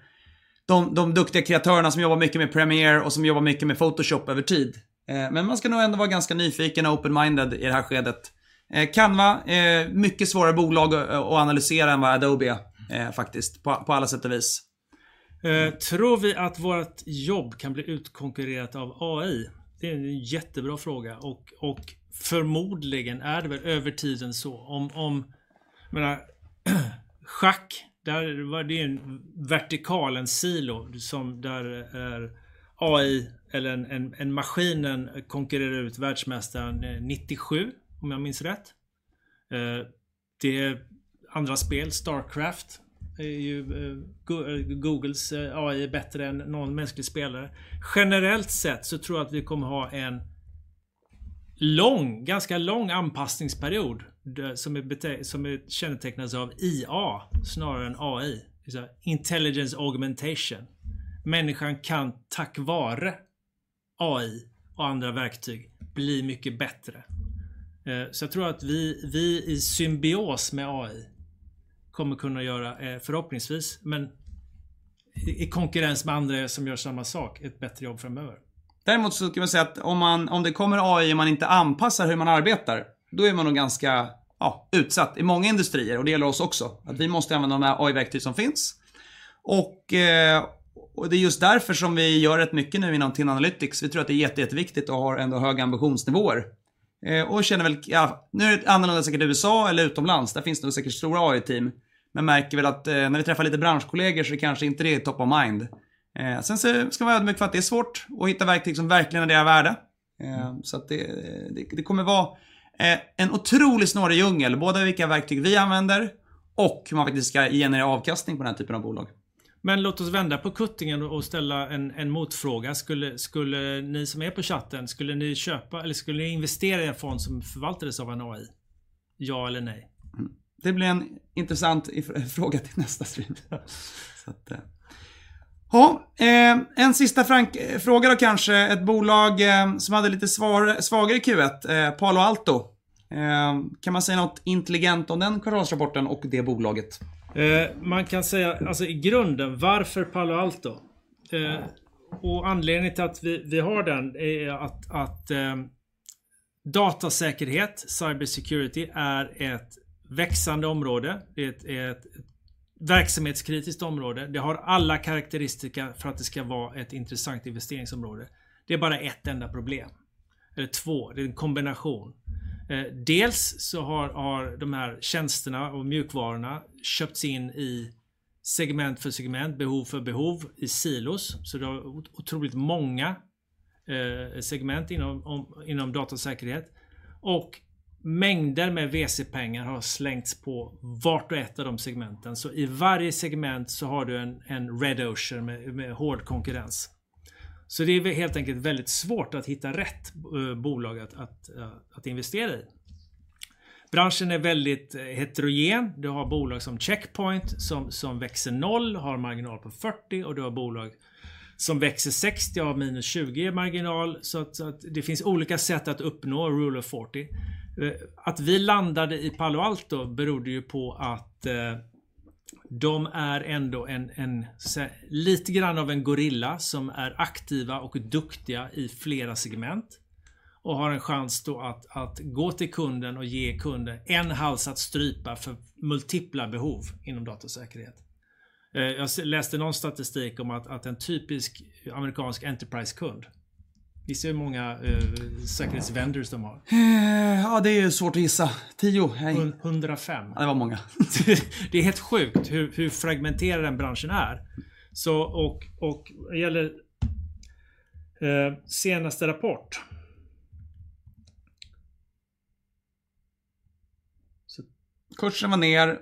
B: de duktiga kreatörerna som jobbar mycket med Premiere och som jobbar mycket med Photoshop över tid. Men man ska nog ändå vara ganska nyfiken och open minded i det här skedet. Canva, mycket svårare bolag att analysera än vad Adobe är faktiskt, på alla sätt och vis.
A: Tror vi att vårt jobb kan bli utkonkurrerat av AI? Det är en jättebra fråga och förmodligen är det väl över tiden så. Om, jag menar, schack, där var det ju en vertikal, en silo som där är AI eller en maskinen konkurrerar ut världsmästaren nittiosju, om jag minns rätt. Det är andra spel, StarCraft, är ju, Googles AI är bättre än någon mänsklig spelare. Generellt sett så tror jag att vi kommer att ha en lång, ganska lång anpassningsperiod, som är, som är kännetecknas av IA snarare än AI, intelligence augmentation. Människan kan tack vare AI och andra verktyg bli mycket bättre. Så jag tror att vi, vi i symbios med AI kommer kunna göra, förhoppningsvis, men i konkurrens med andra som gör samma sak, ett bättre jobb framöver.
B: Däremot så kan man säga att om man, om det kommer AI och man inte anpassar hur man arbetar, då är man nog ganska, ja, utsatt i många industrier och det gäller oss också. Att vi måste använda de här AI-verktygen som finns. Och det är just därför som vi gör rätt mycket nu inom Tin Analytics. Vi tror att det är jätteviktigt att ha ändå höga ambitionsnivåer. Och känner väl, ja, nu använder säkert USA eller utomlands. Där finns det nog säkert stora AI-team. Men märker väl att när vi träffar lite branschkollegor så är kanske inte det top of mind. Sen så ska man vara med för att det är svårt att hitta verktyg som verkligen är det värda. Så att det kommer vara en otroligt snårig djungel, både vilka verktyg vi använder och hur man faktiskt ska ge en avkastning på den här typen av bolag.
A: Men låt oss vända på kuttingen och ställa en motfråga. Skulle ni som är på chatten, skulle ni köpa eller skulle ni investera i en fond som förvaltades av en AI? Ja eller nej?
B: Det blir en intressant fråga till nästa stream. Så att, ja, en sista fråga då kanske. Ett bolag som hade lite svagare Q1, Palo Alto. Kan man säga något intelligent om den kvartalsrapporten och det bolaget?
A: Man kan säga, alltså i grunden, varför Palo Alto? Anledningen till att vi har den är att datasäkerhet, cybersecurity, är ett växande område. Det är ett verksamhetskritiskt område. Det har alla karakteristika för att det ska vara ett intressant investeringsområde. Det är bara ett enda problem. Eller två, det är en kombination. Dels så har de här tjänsterna och mjukvarorna köpts in i segment för segment, behov för behov, i silos. Så det var otroligt många segment inom datasäkerhet och mängder med VC-pengar har slängts på vart och ett av de segmenten. Så i varje segment så har du en red ocean med hård konkurrens. Så det är helt enkelt väldigt svårt att hitta rätt bolag att investera i. Branschen är väldigt heterogen. Du har bolag som Checkpoint, som växer noll, har marginal på 40% och du har bolag som växer 60%, har minus 20% i marginal. Så det finns olika sätt att uppnå rule of forty. Att vi landade i Palo Alto berodde på att de är ändå lite grann av en gorilla som är aktiva och duktiga i flera segment och har en chans att gå till kunden och ge kunden en hals att strypa för multipla behov inom datasäkerhet. Jag läste någon statistik om att en typisk amerikansk enterprise-kund, gissar du hur många säkerhetsvendors de har?
B: Eh, ja, det är svårt att gissa. Tio? Nej.
A: Hundrafem.
B: Det var många.
A: Det är helt sjukt hur fragmenterad den branschen är. Och det gäller senaste rapport.
B: Kursen var ner,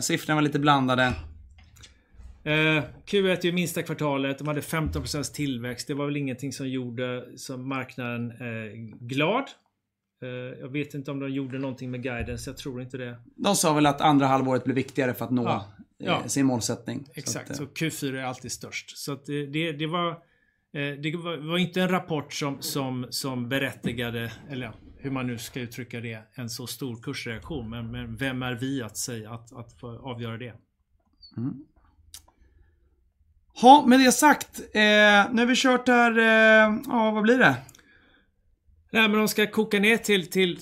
B: siffrorna var lite blandade.
A: Q1 är ju minsta kvartalet. De hade 15% tillväxt. Det var väl ingenting som gjorde så marknaden glad. Jag vet inte om de gjorde någonting med guidance. Jag tror inte det.
B: De sa väl att andra halvåret blev viktigare för att nå-
A: Ja, ja.
B: -sin målsättning.
A: Exakt, så Q4 är alltid störst. Det var inte en rapport som berättigade, eller hur man nu ska uttrycka det, en så stor kursreaktion. Men vem är vi att säga att få avgöra det?
B: Mm. Ja, med det sagt, nu har vi kört här, ja, vad blir det?
A: Nej, men om jag ska koka ner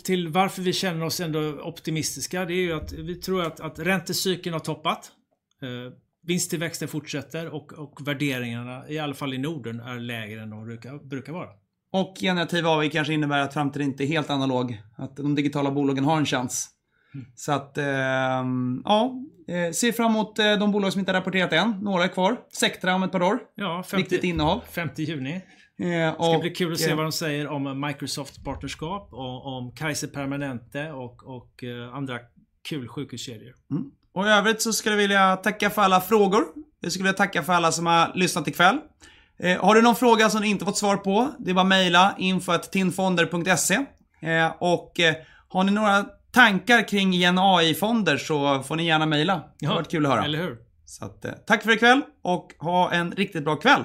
A: till varför vi känner oss ändå optimistiska, det är ju att vi tror att räntecykeln har toppat. Vinsttillväxten fortsätter och värderingarna, i alla fall i Norden, är lägre än de brukar vara.
B: Och generativ AI kanske innebär att framtiden inte är helt analog, att de digitala bolagen har en chans. Så att, ja, ser fram emot de bolag som inte har rapporterat än. Några är kvar. Sectra om ett par år.
A: Ja.
B: Viktigt innehav.
A: Femte juni.
B: Eh, och-
A: Det ska bli kul att se vad de säger om Microsofts partnerskap och om Kaiser Permanente och andra kul sjukhuskedjor.
B: Mm. Och i övrigt så skulle jag vilja tacka för alla frågor. Vi skulle vilja tacka för alla som har lyssnat i kväll. Har du någon fråga som du inte fått svar på? Det är bara att maila info@tinfonder.se. Och har ni några tankar kring AI-fonder så får ni gärna maila. Det har varit kul att höra.
A: Eller hur?
B: Så att tack för i kväll och ha en riktigt bra kväll!